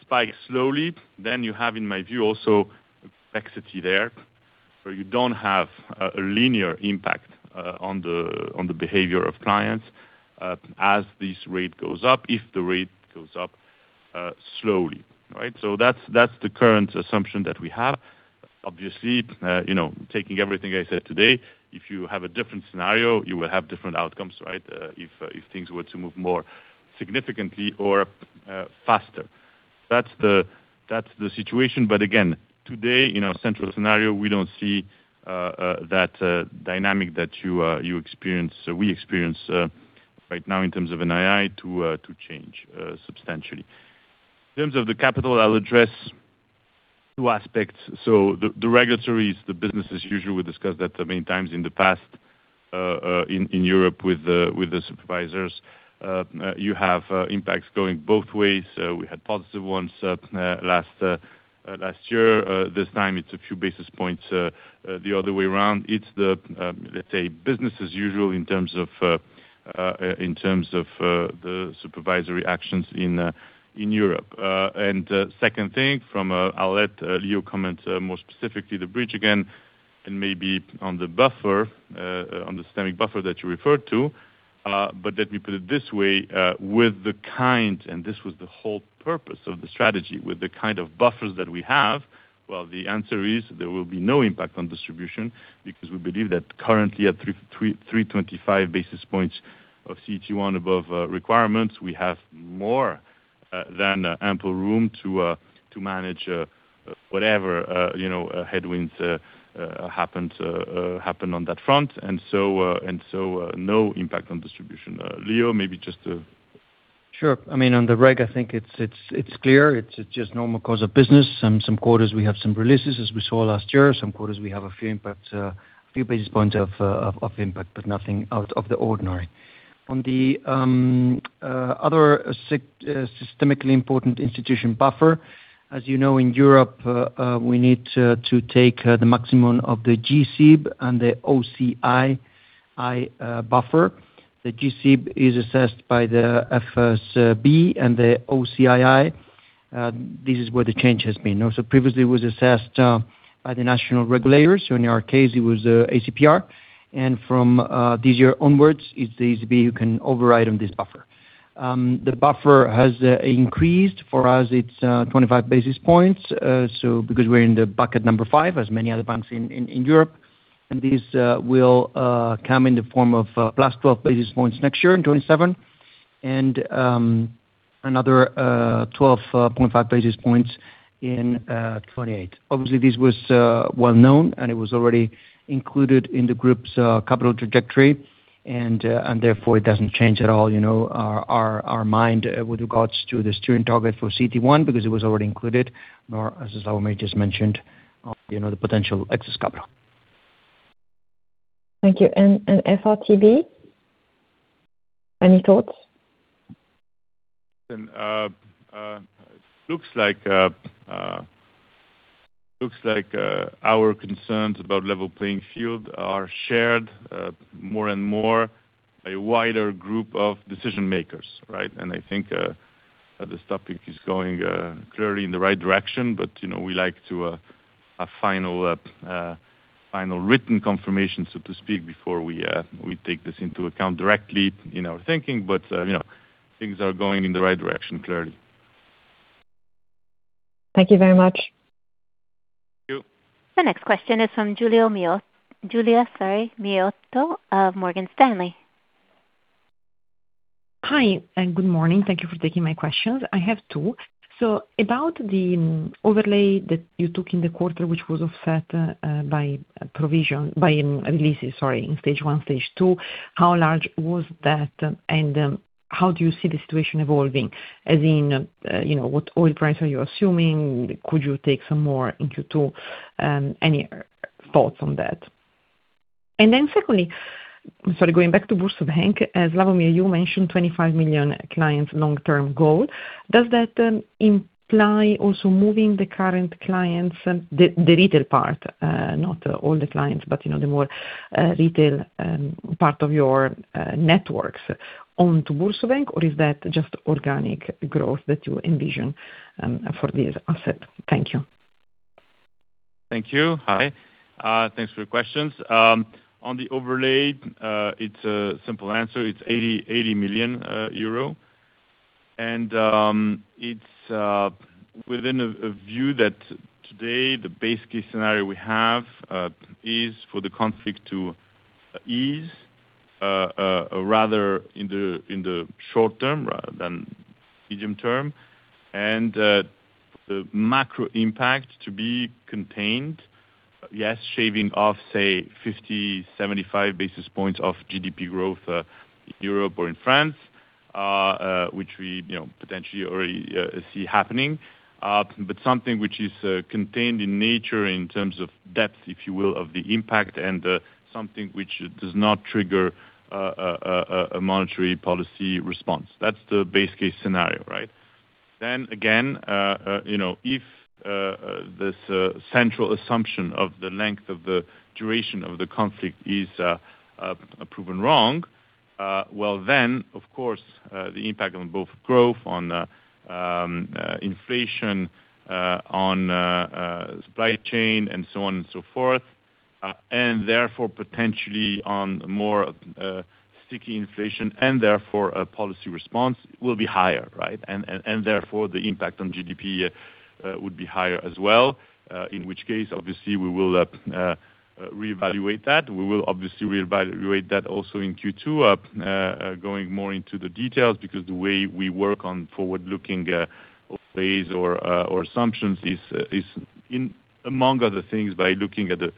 spikes slowly, you have, in my view, also complexity there where you don't have a linear impact on the behavior of clients as this rate goes up, if the rate goes up slowly, right? That's the current assumption that we have. Obviously, you know, taking everything I said today, if you have a different scenario, you will have different outcomes, right? If things were to move more significantly or faster. That's the situation. Again, today in our central scenario, we don't see that dynamic that you experience, we experience right now in terms of NII to change substantially. In terms of the capital, I'll address two aspects. The regulatories, the business as usual, we discussed that many times in the past in Europe with the supervisors. You have impacts going both ways. We had positive ones last year. This time it's a few basis points the other way around. It's let's say business as usual in terms of in terms of the supervisory actions in Europe. Second thing I'll let Leo comment more specifically the bridge again and maybe on the buffer on the systemic buffer that you referred to. Let me put it this way. This was the whole purpose of the strategy, with the kind of buffers that we have, well, the answer is there will be no impact on distribution because we believe that currently at 325 basis points of CET1 above requirements, we have more than ample room to manage whatever you know headwinds happen on that front. No impact on distribution. Leo, maybe just Sure. I mean, on the reg, I think it's clear it's just normal course of business. Some quarters we have some releases as we saw last year. Some quarters we have a few impact, a few basis points of impact, but nothing out of the ordinary. On the other systemically important institution buffer, as you know, in Europe, we need to take the maximum of the G-SIB and the O-SII buffer. The G-SIB is assessed by the FSB and the O-SII. This is where the change has been. Also previously, it was assessed by the national regulators, so in our case it was ACPR. From this year onwards, it's the ECB who can override on this buffer. The buffer has increased. For us it's 25 basis points, so because we're in the bucket number five as many other banks in Europe, and these will come in the form of plus 12 basis points next year in 2027 and another 12.5 basis points in 2028. Obviously, this was well-known, and it was already included in the group's capital trajectory, and therefore it doesn't change at all, you know, our mind with regards to the steering target for CET1 because it was already included. As Slawomir just mentioned, you know, the potential excess capital. Thank you. FRTB, any thoughts? Looks like, our concerns about level playing field are shared, more and more a wider group of decision-makers, right? I think, this topic is going, clearly in the right direction, but, you know, we like to, a final written confirmation, so to speak, before we take this into account directly in our thinking. You know, things are going in the right direction, clearly. Thank you very much. Thank you. The next question is from Giulia Miotto of Morgan Stanley. Hi, and good morning. Thank you for taking my questions. I have two. About the overlay that you took in the quarter, which was offset by provision by releases, sorry, in stage one, stage two, how large was that? How do you see the situation evolving as in, you know, what oil price are you assuming? Could you take some more Q2, any thoughts on that? Secondly, sorry, going back to BoursoBank. As Slawomir, you mentioned 25 million clients long-term goal. Does that imply also moving the current clients, the retail part, not all the clients, but you know, the more retail part of your networks on to BoursoBank, or is that just organic growth that you envision for this asset? Thank you. Thank you. Hi. Thanks for your questions. On the overlay, it's a simple answer. It's 80 million euro. It's within a view that today the base case scenario we have is for the conflict to ease rather in the short term rather than medium term, the macro impact to be contained. Yes, shaving off, say 50-75 basis points of GDP growth in Europe or in France, which we, you know, potentially already see happening. Something which is contained in nature in terms of depth, if you will, of the impact and something which does not trigger a monetary policy response. That's the base case scenario, right. You know, if this central assumption of the length of the duration of the conflict is proven wrong, well, then, of course, the impact on both growth on inflation, on supply chain and so on and so forth, and therefore potentially on more sticky inflation, and therefore a policy response will be higher. Therefore, the impact on GDP would be higher as well, in which case obviously we will reevaluate that. We will obviously reevaluate that also in Q2, going more into the details, because the way we work on forward-looking phase or assumptions is among other things, by looking at the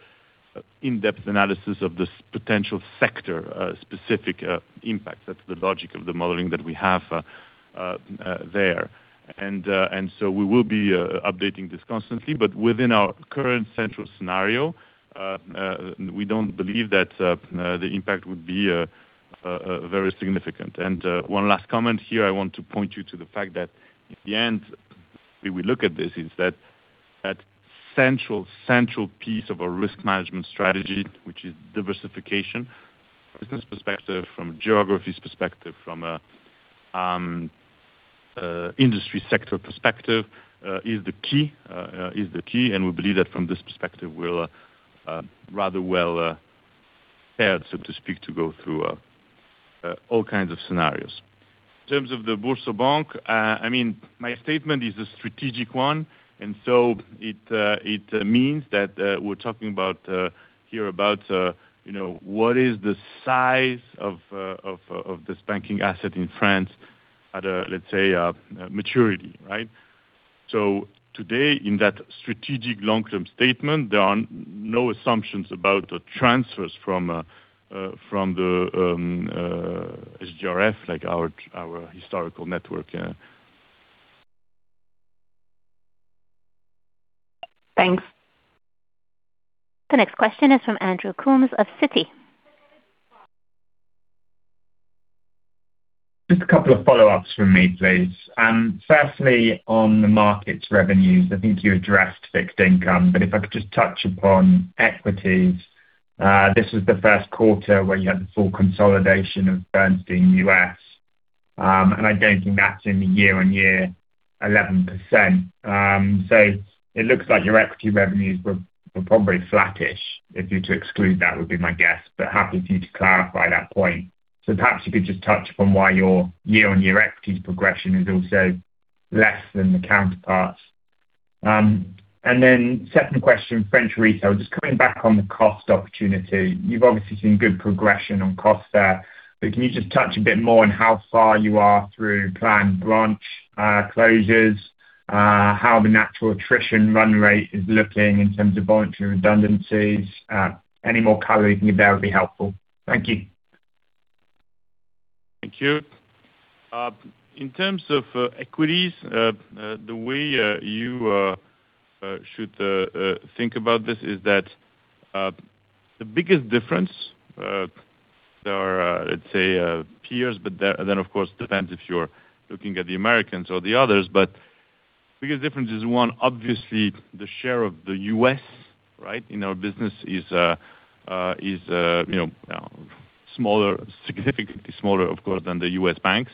in-depth analysis of this potential sector specific impact. That's the logic of the modeling that we have there. We will be updating this constantly, but within our current central scenario, we don't believe that the impact would be very significant. One last comment here, I want to point you to the fact that at the end, we will look at this is that central piece of a risk management strategy, which is diversification, business perspective, from geographies perspective, from an industry sector perspective, is the key, is the key. We believe that from this perspective, we're rather well paired, so to speak, to go through all kinds of scenarios. In terms of the BoursoBank, I mean, my statement is a strategic one, it means that we're talking about here about, you know, what is the size of this banking asset in France at a, let's say, maturity, right? Today, in that strategic long-term statement, there are no assumptions about the transfers from the SGRF, like our historical network, yeah. Thanks. The next question is from Andrew Coombs of Citi. Just a couple of follow-ups from me, please. Firstly, on the markets revenues, I think you addressed fixed income, but if I could just touch upon equities. This was the first quarter where you had the full consolidation of Bernstein US, and I don't think that's in the year-on-year 11%. It looks like your equity revenues were probably flattish if you're to exclude that, would be my guess, but happy for you to clarify that point. Perhaps you could just touch upon why your year-on-year equities progression is also less than the counterparts. Second question, French Retail, just coming back on the cost opportunity. You've obviously seen good progression on costs there, can you just touch a bit more on how far you are through planned branch closures, how the natural attrition run rate is looking in terms of voluntary redundancies? Any more color you can give there would be helpful. Thank you. Thank you. In terms of equities, the way you should think about this is that the biggest difference, there are, let’s say, peers, but then of course depends if you’re looking at the Americans or the others. Biggest difference is one, obviously the share of the U.S., right? In our business is, you know, smaller, significantly smaller of course than the U.S. banks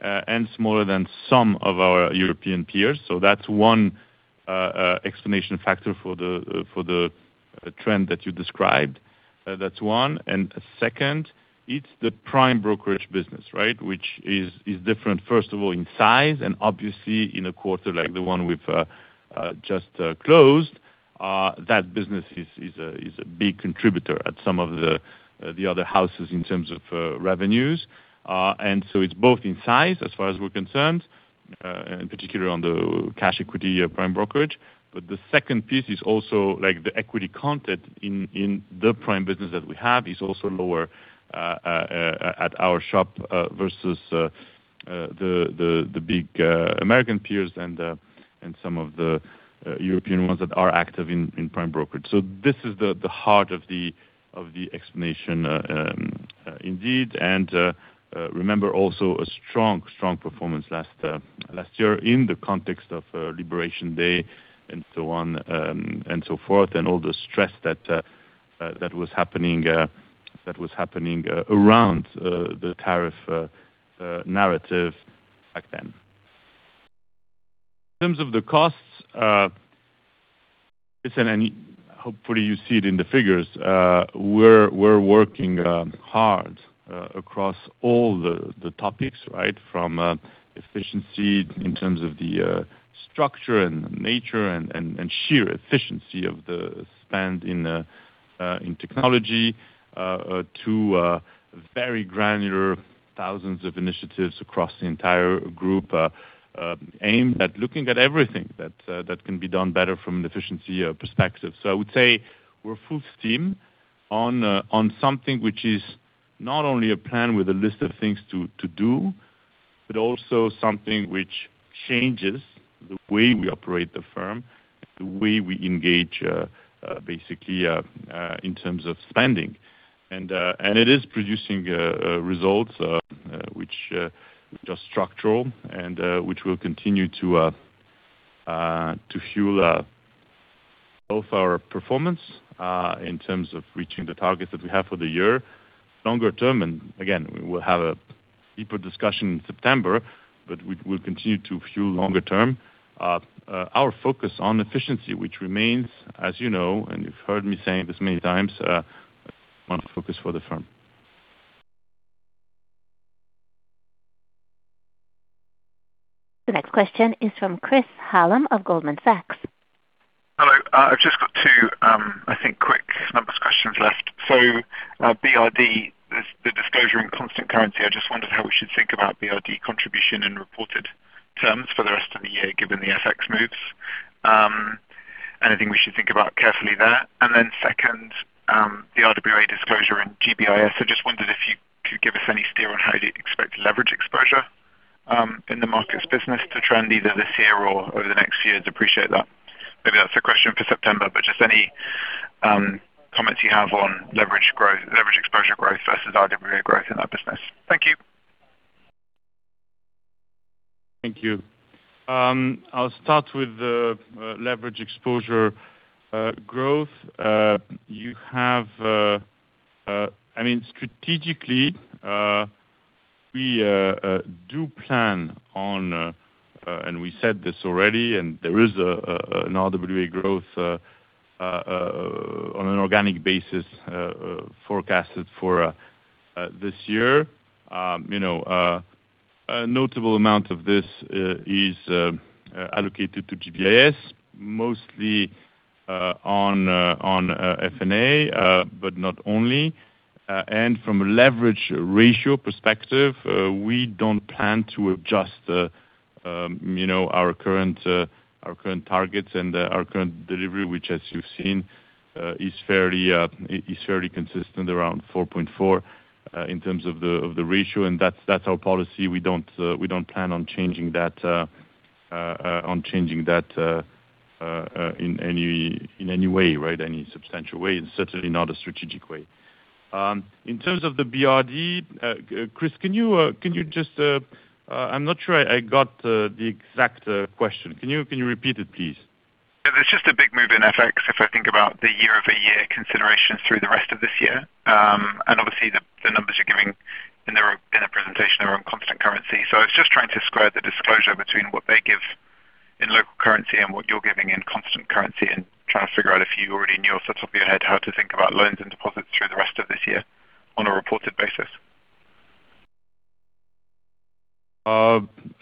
and smaller than some of our European peers. That’s one explanation factor for the trend that you described. That’s one. Second, it’s the prime brokerage business, right? Which is different first of all in size and obviously in a quarter like the one we've just closed, that business is a big contributor at some of the other houses in terms of revenues. It's both in size as far as we're concerned, in particular on the cash equity prime brokerage. The second piece is also like the equity content in the prime business that we have is also lower at our shop versus the big American peers and some of the European ones that are active in prime brokerage. This is the heart of the explanation, indeed and, remember also a strong performance last year in the context of Liberation Day and so on, and so forth, and all the stress that was happening around the tariff narrative back then. In terms of the costs, listen, and hopefully you see it in the figures. We're working hard across all the topics, right? From efficiency in terms of the structure and nature and sheer efficiency of the spend in technology, to very granular thousands of initiatives across the entire group, aimed at looking at everything that can be done better from an efficiency perspective. I would say we're full steam on something which is not only a plan with a list of things to do, but also something which changes the way we operate the firm, the way we engage, basically, in terms of spending. It is producing results, which are structural and which will continue to fuel both our performance in terms of reaching the targets that we have for the year. Longer term, and again, we will have a deeper discussion in September, but we'll continue to fuel longer term our focus on efficiency, which remains as you know, and you've heard me saying this many times, one focus for the firm. The next question is from Chris Hallam of Goldman Sachs. Hello. I've just got two, I think quick numbers questions left. BRD, the disclosure in constant currency. I just wondered how we should think about BRD contribution in reported terms for the rest of the year given the FX moves. Anything we should think about carefully there? Second, the RWA disclosure in GBIS. I just wondered if you could give us any steer on how you expect leverage exposure in the markets business to trend either this year or over the next years. Appreciate that. Maybe that's a question for September, but just any comments you have on leverage exposure growth versus RWA growth in that business. Thank you. Thank you. I'll start with the leverage exposure growth. I mean, strategically, we do plan on, and we said this already, and there is an RWA growth on an organic basis forecasted for this year. You know, a notable amount of this is allocated to GBIS mostly on F&A, but not only. From a leverage ratio perspective, we don't plan to adjust, you know, our current, our current targets and our current delivery, which as you've seen, is fairly consistent around 4.4 in terms of the ratio, and that's our policy. We don't plan on changing that in any way, right? Any substantial way, certainly not a strategic way. In terms of the BRD, Chris, can you just, I'm not sure I got the exact question. Can you repeat it, please? There's just a big move in FX, if I think about the year-over-year consideration through the rest of this year. Obviously the numbers you're giving in their presentation are on constant currency. I was just trying to square the disclosure between what they give in local currency and what you're giving in constant currency, and trying to figure out if you already knew off the top of your head how to think about loans and deposits through the rest of this year on a reported basis.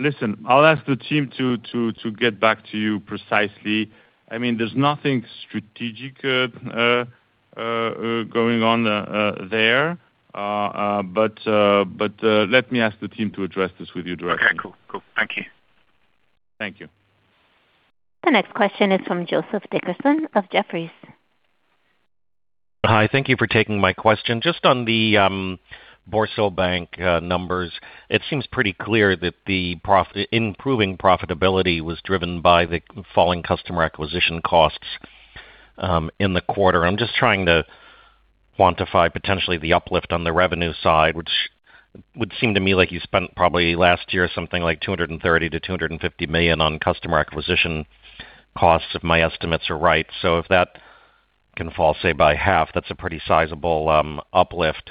Listen, I'll ask the team to get back to you precisely. I mean, there's nothing strategic going on there. Let me ask the team to address this with you directly. Okay, cool. Cool. Thank you. Thank you. The next question is from Joseph Dickerson of Jefferies. Hi, thank you for taking my question. Just on the BoursoBank numbers, it seems pretty clear that the improving profitability was driven by the falling customer acquisition costs in the quarter. I'm just trying to quantify potentially the uplift on the revenue side, which would seem to me like you spent probably last year something like 230 million-250 million on customer acquisition costs, if my estimates are right. If that can fall, say, by half, that's a pretty sizable uplift.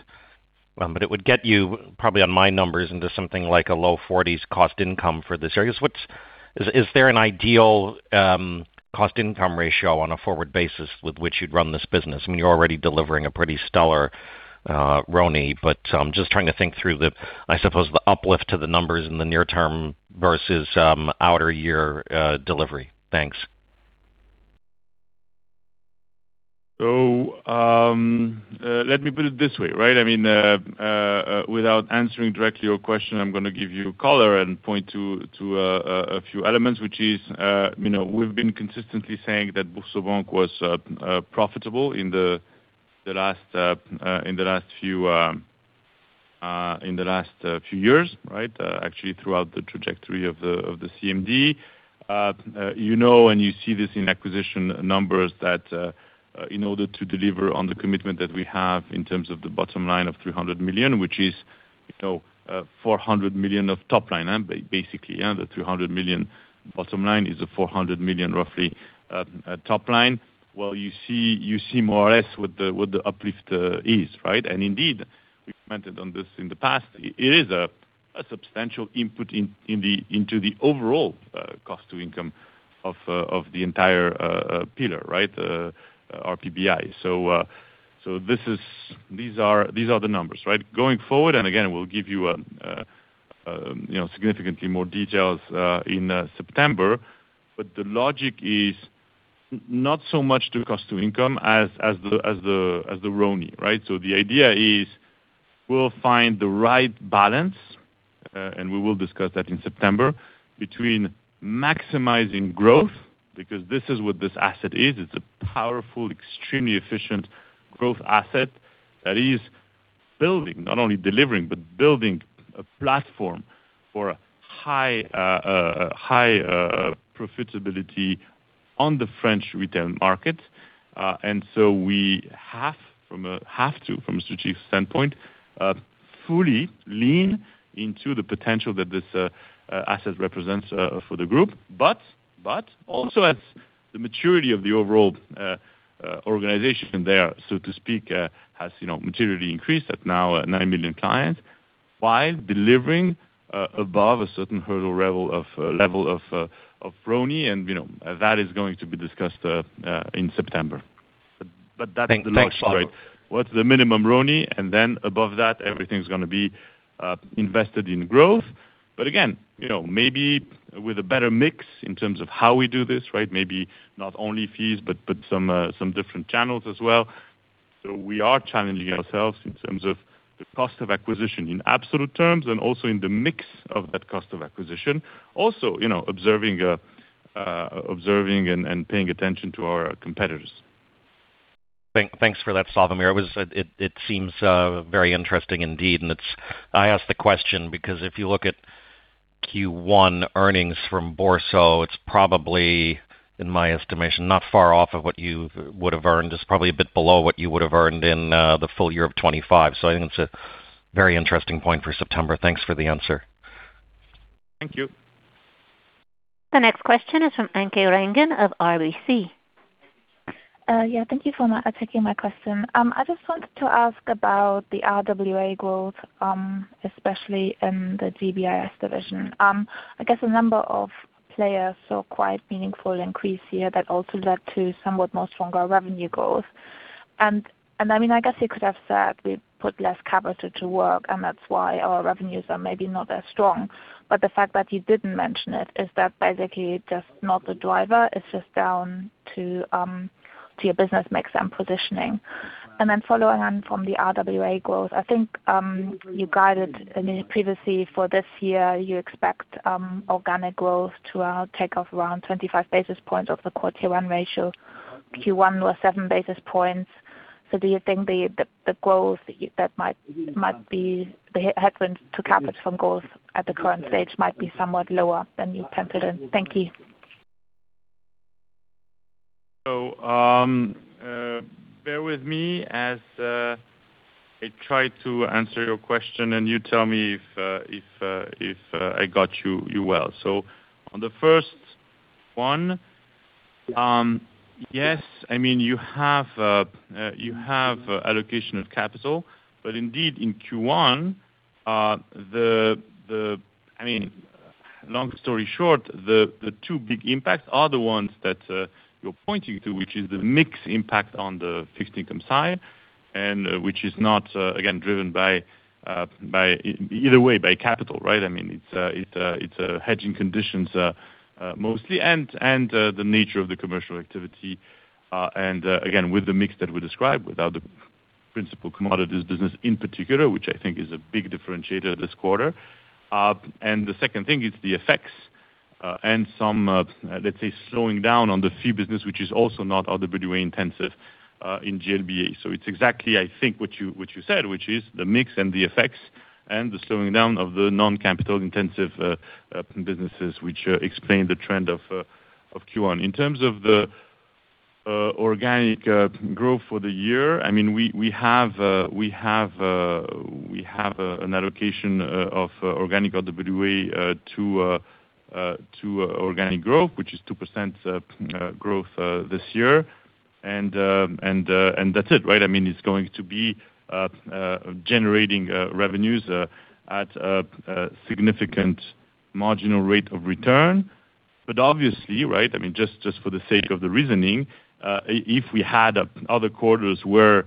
It would get you probably on my numbers into something like a low 40s cost income for this area. Is there an ideal cost income ratio on a forward basis with which you'd run this business? I mean, you're already delivering a pretty stellar, RONI, but I'm just trying to think through the, I suppose, the uplift to the numbers in the near term versus outer year delivery. Thanks. Let me put it this way, right? I mean, without answering directly your question, I'm gonna give you color and point to a few elements, which is, you know, we've been consistently saying that BoursoBank was profitable in the last few years, right? Actually, throughout the trajectory of the CMD. You know, and you see this in acquisition numbers that in order to deliver on the commitment that we have in terms of the bottom line of 300 million, which is, you know, 400 million of top line, basically, and the 300 million bottom line is a 400 million, roughly, top line. Well, you see more or less what the uplift is, right? Indeed, we've commented on this in the past, it is a substantial input into the overall cost to income of the entire pillar, right? Our PBI. These are the numbers, right? Going forward, and again, we'll give you know, significantly more details in September. The logic is not so much to cost to income as the RONI, right? The idea is we'll find the right balance, and we will discuss that in September, between maximizing growth, because this is what this asset is. It's a powerful, extremely efficient growth asset that is building, not only delivering, but building a platform for high profitability on the French retail market. We have, from a strategic standpoint, fully lean into the potential that this asset represents for the group. Also as the maturity of the overall organization there, so to speak, has, you know, materially increased at now 9 million clients, while delivering above a certain hurdle level of RONI. You know, that is going to be discussed in September. That's the logic, right? Thanks. What's the minimum RONI? Above that, everything's gonna be invested in growth. Again, you know, maybe with a better mix in terms of how we do this, right? Maybe not only fees, but some different channels as well. We are challenging ourselves in terms of the cost of acquisition in absolute terms and also in the mix of that cost of acquisition. You know, observing and paying attention to our competitors. Thanks for that, Slawomir. It was, it seems, very interesting indeed. I asked the question because if you look at Q1 earnings from Boursorama, it's probably, in my estimation, not far off of what you would have earned. It's probably a bit below what you would have earned in the full year of 2025. I think it's a very interesting point for September. Thanks for the answer. Thank you. The next question is from Anke Reingen of RBC. Yeah, thank you for taking my question. I just wanted to ask about the RWA growth, especially in the GBIS division. I guess a number of players saw quite meaningful increase here that also led to somewhat more stronger revenue growth. I mean, I guess you could have said we put less capital to work, and that's why our revenues are maybe not as strong. The fact that you didn't mention it is that basically just not the driver, it's just down to your business mix and positioning. Following on from the RWA growth, I think, you guided, I mean, previously for this year, you expect organic growth to take off around 25 basis points of the core tier one ratio. Q1 was 7 basis points. Do you think the growth that might be the headwind to capital from growth at the current stage might be somewhat lower than you penciled in? Thank you. Bear with me as I try to answer your question and you tell me if I got you well. On the first one, yes, I mean, you have allocation of capital, but indeed in Q1, long story short, the two big impacts are the ones that you're pointing to, which is the mix impact on the fixed income side, and which is not again driven by either way by capital, right? I mean, it's hedging conditions mostly, and the nature of the commercial activity, and again, with the mix that we described, without the principal commodities business in particular, which I think is a big differentiator this quarter. The second thing is the effects, and some, let's say, slowing down on the fee business, which is also not RWA-intensive, in GLBA. It's exactly, I think, what you, what you said, which is the mix and the effects and the slowing down of the non-capital-intensive businesses, which explain the trend of Q1. In terms of the organic growth for the year, I mean, we have an allocation of organic RWA to organic growth, which is 2% growth this year. That's it, right? I mean, it's going to be generating revenues at a significant marginal rate of return. Obviously, right, I mean, just for the sake of the reasoning, if we had other quarters where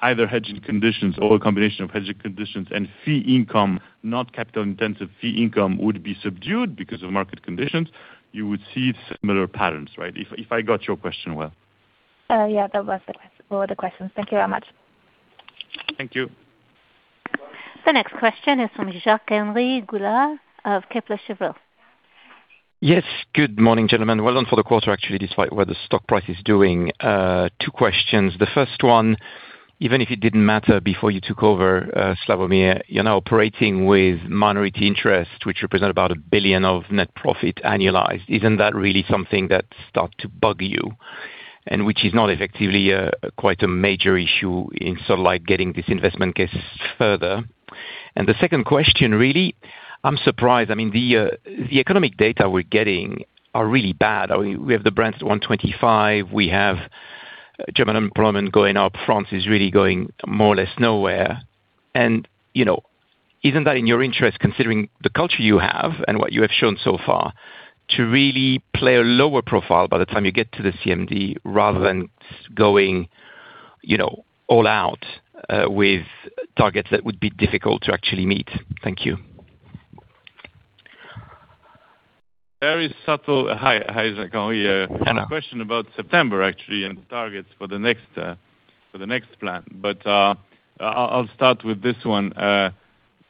either hedged conditions or a combination of hedged conditions and fee income, not capital-intensive fee income, would be subdued because of market conditions, you would see similar patterns, right? If I got your question well. Yeah, that was all the questions. Thank you very much. Thank you. The next question is from Jacques-Henri Gaulard of Kepler Cheuvreux. Yes. Good morning, gentlemen. Well done for the quarter actually, despite what the stock price is doing. Two questions. The first one, even if it didn't matter before you took over, Slawomir, you're now operating with minority interest, which represent about 1 billion of net profit annualized. Isn't that really something that start to bug you, and which is not effectively, quite a major issue in sort of like getting this investment case further? The second question really, I'm surprised, I mean, the economic data we're getting are really bad. I mean, we have the Brent 125, we have German employment going up, France is really going more or less nowhere. You know, isn't that in your interest, considering the culture you have and what you have shown so far, to really play a lower profile by the time you get to the CMD, rather than going, you know, all out, with targets that would be difficult to actually meet? Thank you. Very subtle. Hi. Hi, Jacques-Henri. Hello. A question about September, actually, and the targets for the next, for the next plan. I'll start with this one.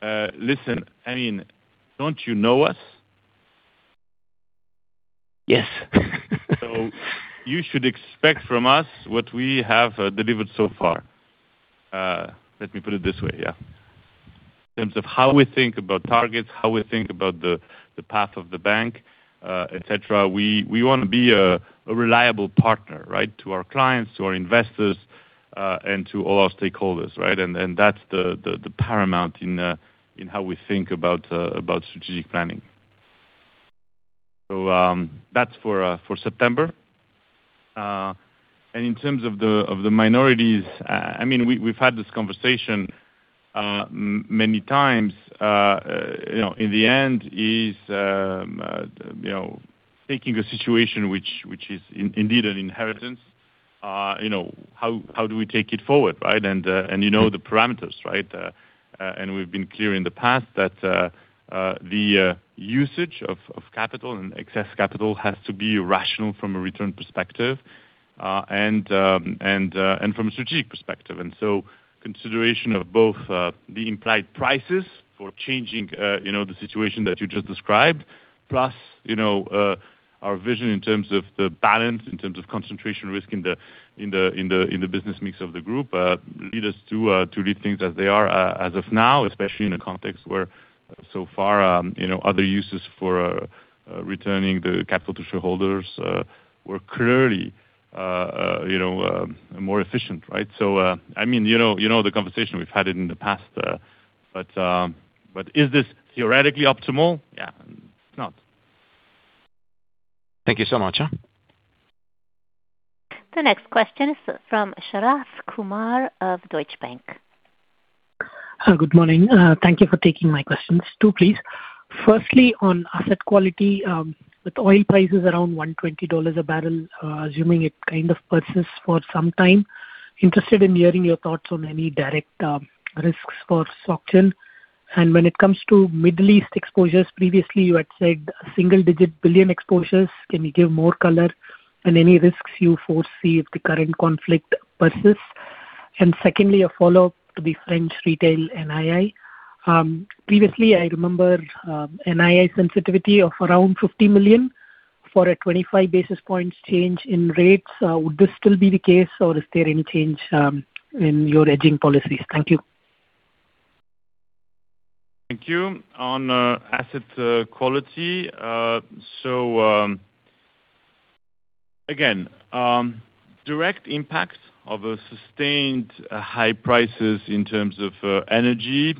listen, I mean, don't you know us? Yes. You should expect from us what we have delivered so far. Let me put it this way. In terms of how we think about targets, how we think about the path of the bank, et cetera. We wanna be a reliable partner to our clients, to our investors, and to all our stakeholders. That's the paramount in how we think about strategic planning. That's for September. And in terms of the minorities, I mean, we've had this conversation many times, you know, in the end, is, you know, taking a situation which is indeed an inheritance, you know, how do we take it forward? And you know the parameters. We've been clear in the past that the usage of capital and excess capital has to be rational from a return perspective, and from a strategic perspective. Consideration of both the implied prices for changing, you know, the situation that you just described, plus, you know, our vision in terms of the balance, in terms of concentration risk in the business mix of the group, lead us to leave things as they are as of now, especially in a context where so far, you know, other uses for returning the capital to shareholders were clearly, you know, more efficient, right? I mean, you know, you know the conversation we've had in the past, but is this theoretically optimal? Yeah, it's not. Thank you so much. The next question is from Sharath Kumar of Deutsche Bank. Good morning. Thank you for taking my questions. Two, please. Firstly, on asset quality, with oil prices around EUR 120 a barrel, assuming it kind of persists for some time, interested in hearing your thoughts on any direct risks for SocGen. When it comes to Middle East exposures, previously you had said EUR single-digit billion exposures. Can you give more color on any risks you foresee if the current conflict persists? Secondly, a follow-up to the French retail NII. Previously, I remember NII sensitivity of around 50 million for a 25 basis points change in rates. Would this still be the case or is there any change in your hedging policies? Thank you. Thank you. On asset quality, again, direct impact of sustained high prices in terms of energy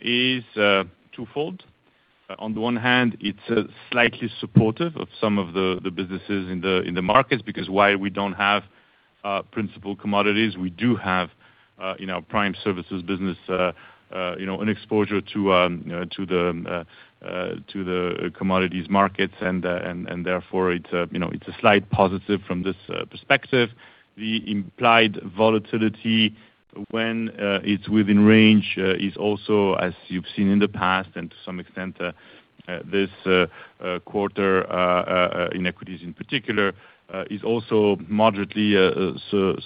is twofold. On the one hand, it's slightly supportive of some of the businesses in the markets, because while we don't have principal commodities, we do have prime services business, an exposure to the commodities markets and therefore it's a slight positive from this perspective. The implied volatility when it's within range is also, as you've seen in the past and to some extent, this quarter, in equities in particular, is also moderately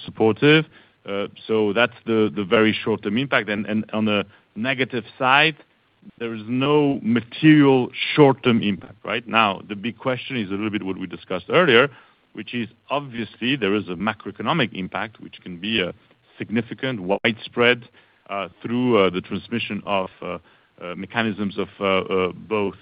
supportive. That's the very short-term impact. On the negative side, there is no material short-term impact, right? The big question is a little bit what we discussed earlier, which is obviously there is a macroeconomic impact, which can be a significant widespread through the transmission of mechanisms of both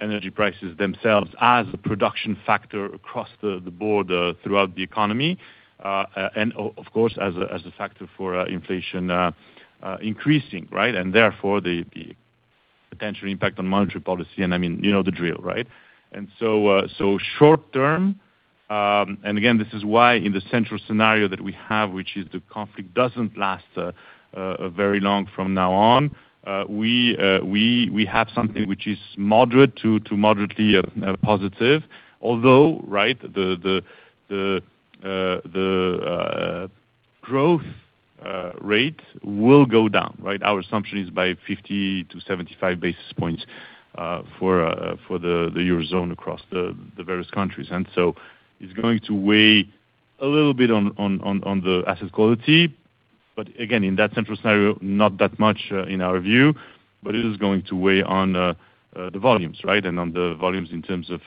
energy prices themselves as a production factor across the board throughout the economy. Of course, as a factor for inflation increasing, right? Therefore, the potential impact on monetary policy, and I mean, you know the drill, right? So short-term, and again, this is why in the central scenario that we have, which is the conflict doesn't last very long from now on, we have something which is moderate to moderately positive. Although, right, the growth rate will go down, right. Our assumption is by 50 to 75 basis points for the Eurozone across the various countries. It's going to weigh a little bit on the asset quality. Again, in that central scenario, not that much, in our view, but it is going to weigh on the volumes, right. On the volumes in terms of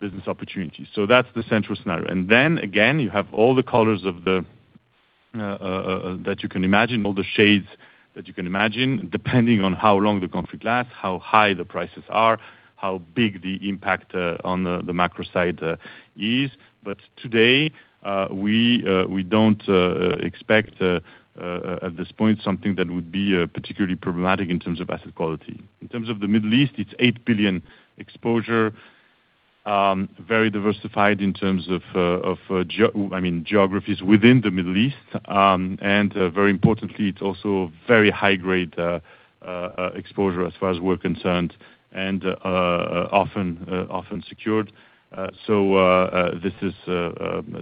business opportunities. That's the central scenario. Again, you have all the colors of the that you can imagine, all the shades that you can imagine, depending on how long the conflict lasts, how high the prices are, how big the impact on the macro side is. Today, we don't expect at this point something that would be particularly problematic in terms of asset quality. In terms of the Middle East, it's 8 billion exposure, very diversified in terms of geographies within the Middle East. Very importantly, it's also very high grade exposure as far as we're concerned, and often secured. This is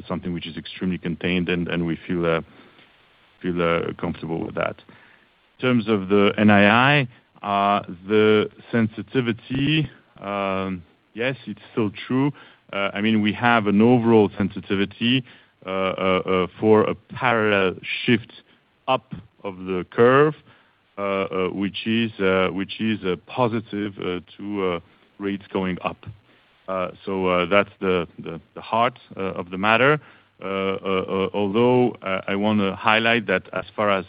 something which is extremely contained, and we feel comfortable with that. In terms of the NII, the sensitivity, yes, it's still true. I mean, we have an overall sensitivity for a parallel shift up of the curve, which is a positive to rates going up. That's the heart of the matter. Although, I wanna highlight that as far as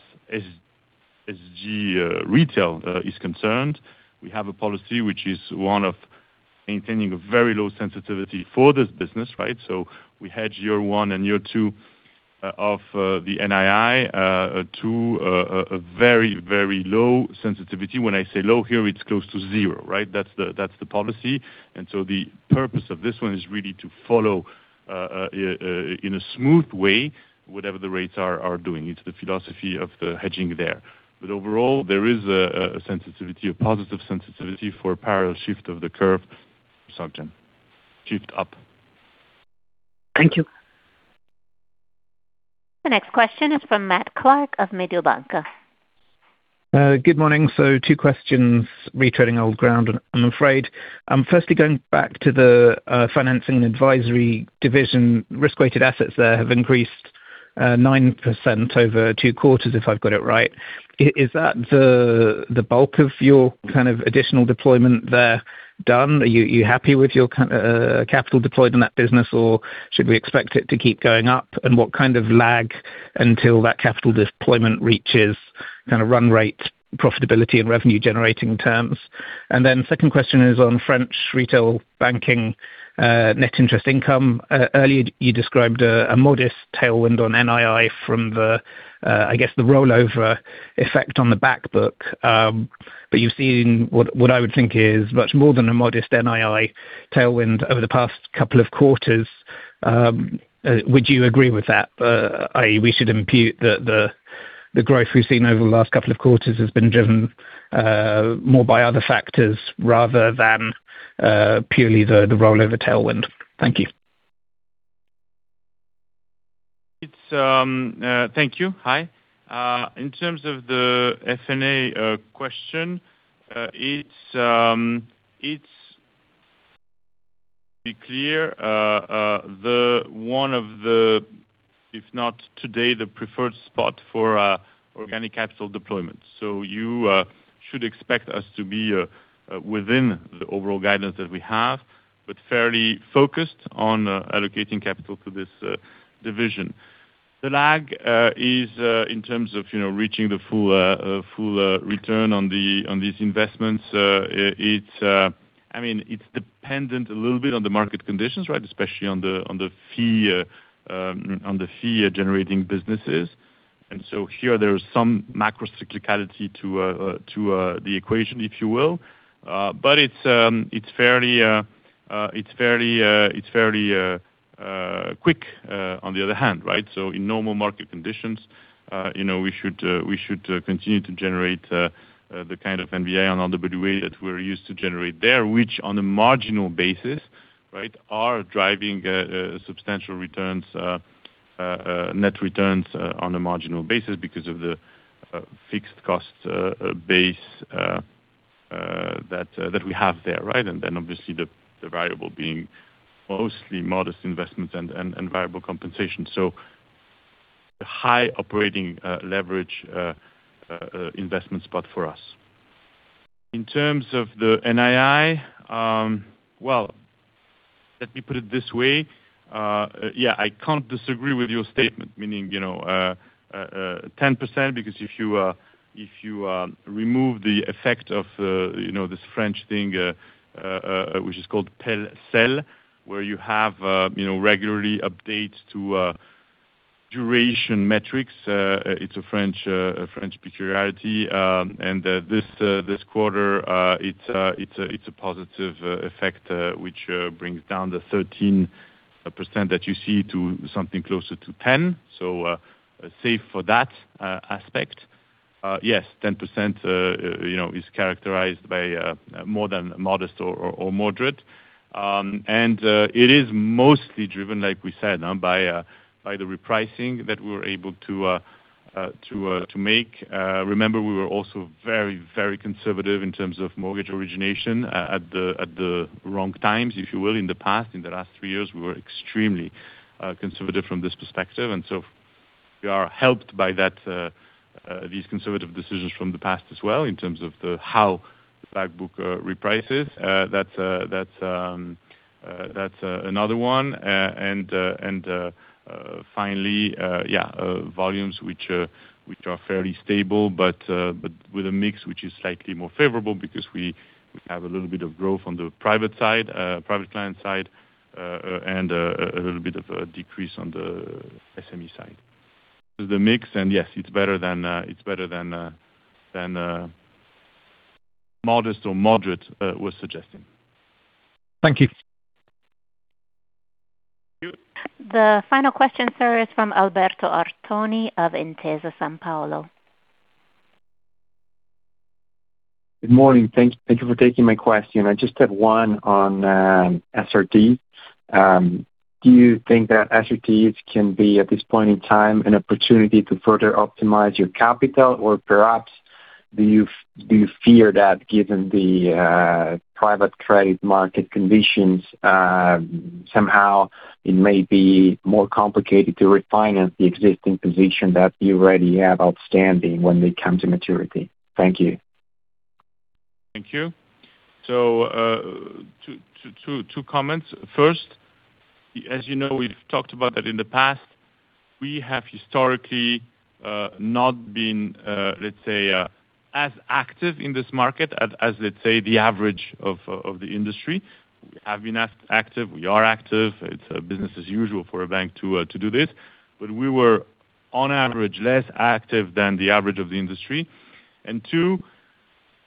SG Retail is concerned, we have a policy which is one of maintaining a very low sensitivity for this business, right? We hedge year one and year two of the NII to a very, very low sensitivity. When I say low here, it's close to zero, right? That's the policy. The purpose of this one is really to follow in a smooth way, whatever the rates are doing. It's the philosophy of the hedging there. Overall, there is a sensitivity, a positive sensitivity for parallel shift of the curve subject. Shift up. Thank you. The next question is from Matthew Clark of Mediobanca. Good morning. Two questions, retreading old ground, I'm afraid. Firstly, going back to the financing and advisory division risk-weighted assets there have increased 9% over two quarters, if I've got it right. Is that the bulk of your kind of additional deployment there done? Are you happy with your capital deployed in that business, or should we expect it to keep going up? What kind of lag until that capital deployment reaches kind of run rate profitability and revenue-generating terms? Second question is on French retail banking net interest income. Earlier you described a modest tailwind on NII from the I guess the rollover effect on the back book. You've seen what I would think is much more than a modest NII tailwind over the past two quarters. Would you agree with that? i.e., we should impute the growth we've seen over the last couple of quarters has been driven more by other factors rather than purely the rollover tailwind. Thank you. It's, thank you. Hi. In terms of the F&A question, it's clear the one of the, if not today, the preferred spot for organic capital deployment. You should expect us to be within the overall guidance that we have, but fairly focused on allocating capital to this division. The lag is in terms of, you know, reaching the full return on the, on these investments. It's, I mean, it's dependent a little bit on the market conditions, right? Especially on the, on the fee, on the fee-generating businesses. Here there is some macro cyclicality to the equation, if you will. But it's fairly, it's very quick on the other hand, right. In normal market conditions, you know, we should continue to generate the kind of NVA on all the RWA that we're used to generate there. Which on a marginal basis, right, are driving substantial returns, net returns on a marginal basis because of the fixed cost base that we have there, right. Obviously the variable being mostly modest investments and variable compensation, so a high operating leverage investment spot for us. In terms of the NII, well, let me put it this way. I can't disagree with your statement, meaning, you know, 10%, because if you remove the effect of, you know, this French thing, which is called PEL-CEL, where you have, you know, regularly updates to duration metrics. It's a French, a French peculiarity. This quarter, it's a positive effect, which brings down the 13% that you see to something closer to 10. Safe for that aspect. Yes, 10%, you know, is characterized by more than modest or moderate. It is mostly driven, like we said, by the repricing that we were able to make. Remember, we were also very, very conservative in terms of mortgage origination at the wrong times, if you will, in the past. In the last three years, we were extremely conservative from this perspective. We are helped by that, these conservative decisions from the past as well in terms of how the flag book reprices. That's another one. Finally, volumes which are fairly stable but with a mix which is slightly more favorable because we have a little bit of growth on the private side, private client side, and a little bit of a decrease on the SME side. The mix, and yes, it's better than, modest or moderate, was suggesting. Thank you. Thank you. The final question, sir, is from Alberto Artoni of Intesa Sanpaolo. Good morning. Thank you for taking my question. I just have one on SRT. Do you think that SRTs can be, at this point in time, an opportunity to further optimize your capital? Perhaps do you fear that given the private trade market conditions, somehow it may be more complicated to refinance the existing position that you already have outstanding when they come to maturity? Thank you. Thank you. Two comments. First, as you know, we've talked about that in the past. We have historically not been, let's say, as active in this market as, let's say, the average of the industry. We have been as active. We are active. It's a business as usual for a bank to do this. We were, on average, less active than the average of the industry. Two,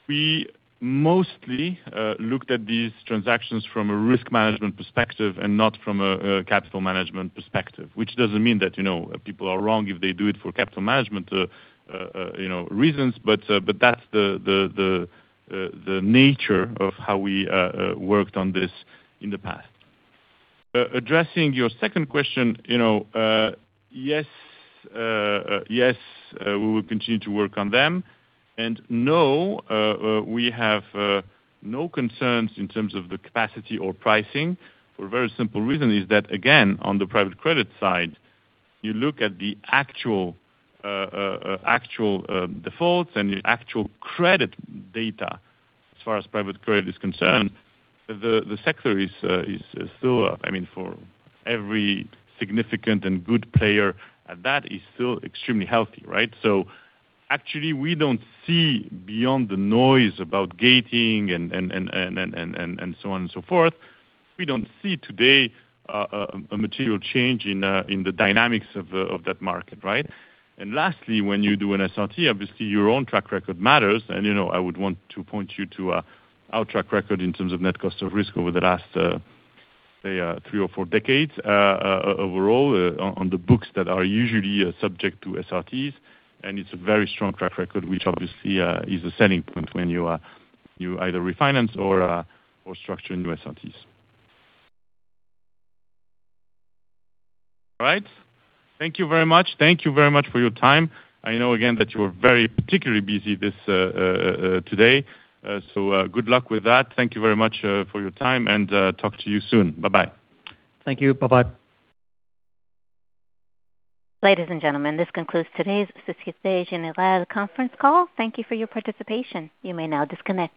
we mostly looked at these transactions from a risk management perspective and not from a capital management perspective, which doesn't mean that, you know, people are wrong if they do it for capital management, you know, reasons. That's the nature of how we worked on this in the past. Addressing your second question, you know, yes, we will continue to work on them. No, we have no concerns in terms of the capacity or pricing for a very simple reason is that, again, on the private credit side, you look at the actual actual defaults and the actual credit data as far as private credit is concerned. The sector is, I mean, for every significant and good player, and that is still extremely healthy, right? Actually, we don't see beyond the noise about gating and so on and so forth. We don't see today a material change in the dynamics of that market, right? Lastly, when you do an SRT, obviously your own track record matters. You know, I would want to point you to our track record in terms of net cost of risk over the last, say, three or four decades, overall, on the books that are usually subject to SRTs. It's a very strong track record, which obviously, is a selling point when you either refinance or structure new SRTs. All right. Thank you very much. Thank you very much for your time. I know again that you are very particularly busy this today. Good luck with that. Thank you very much for your time, and talk to you soon. Bye-bye. Thank you. Bye-bye. Ladies and gentlemen, this concludes today's Société Générale conference call. Thank you for your participation. You may now disconnect.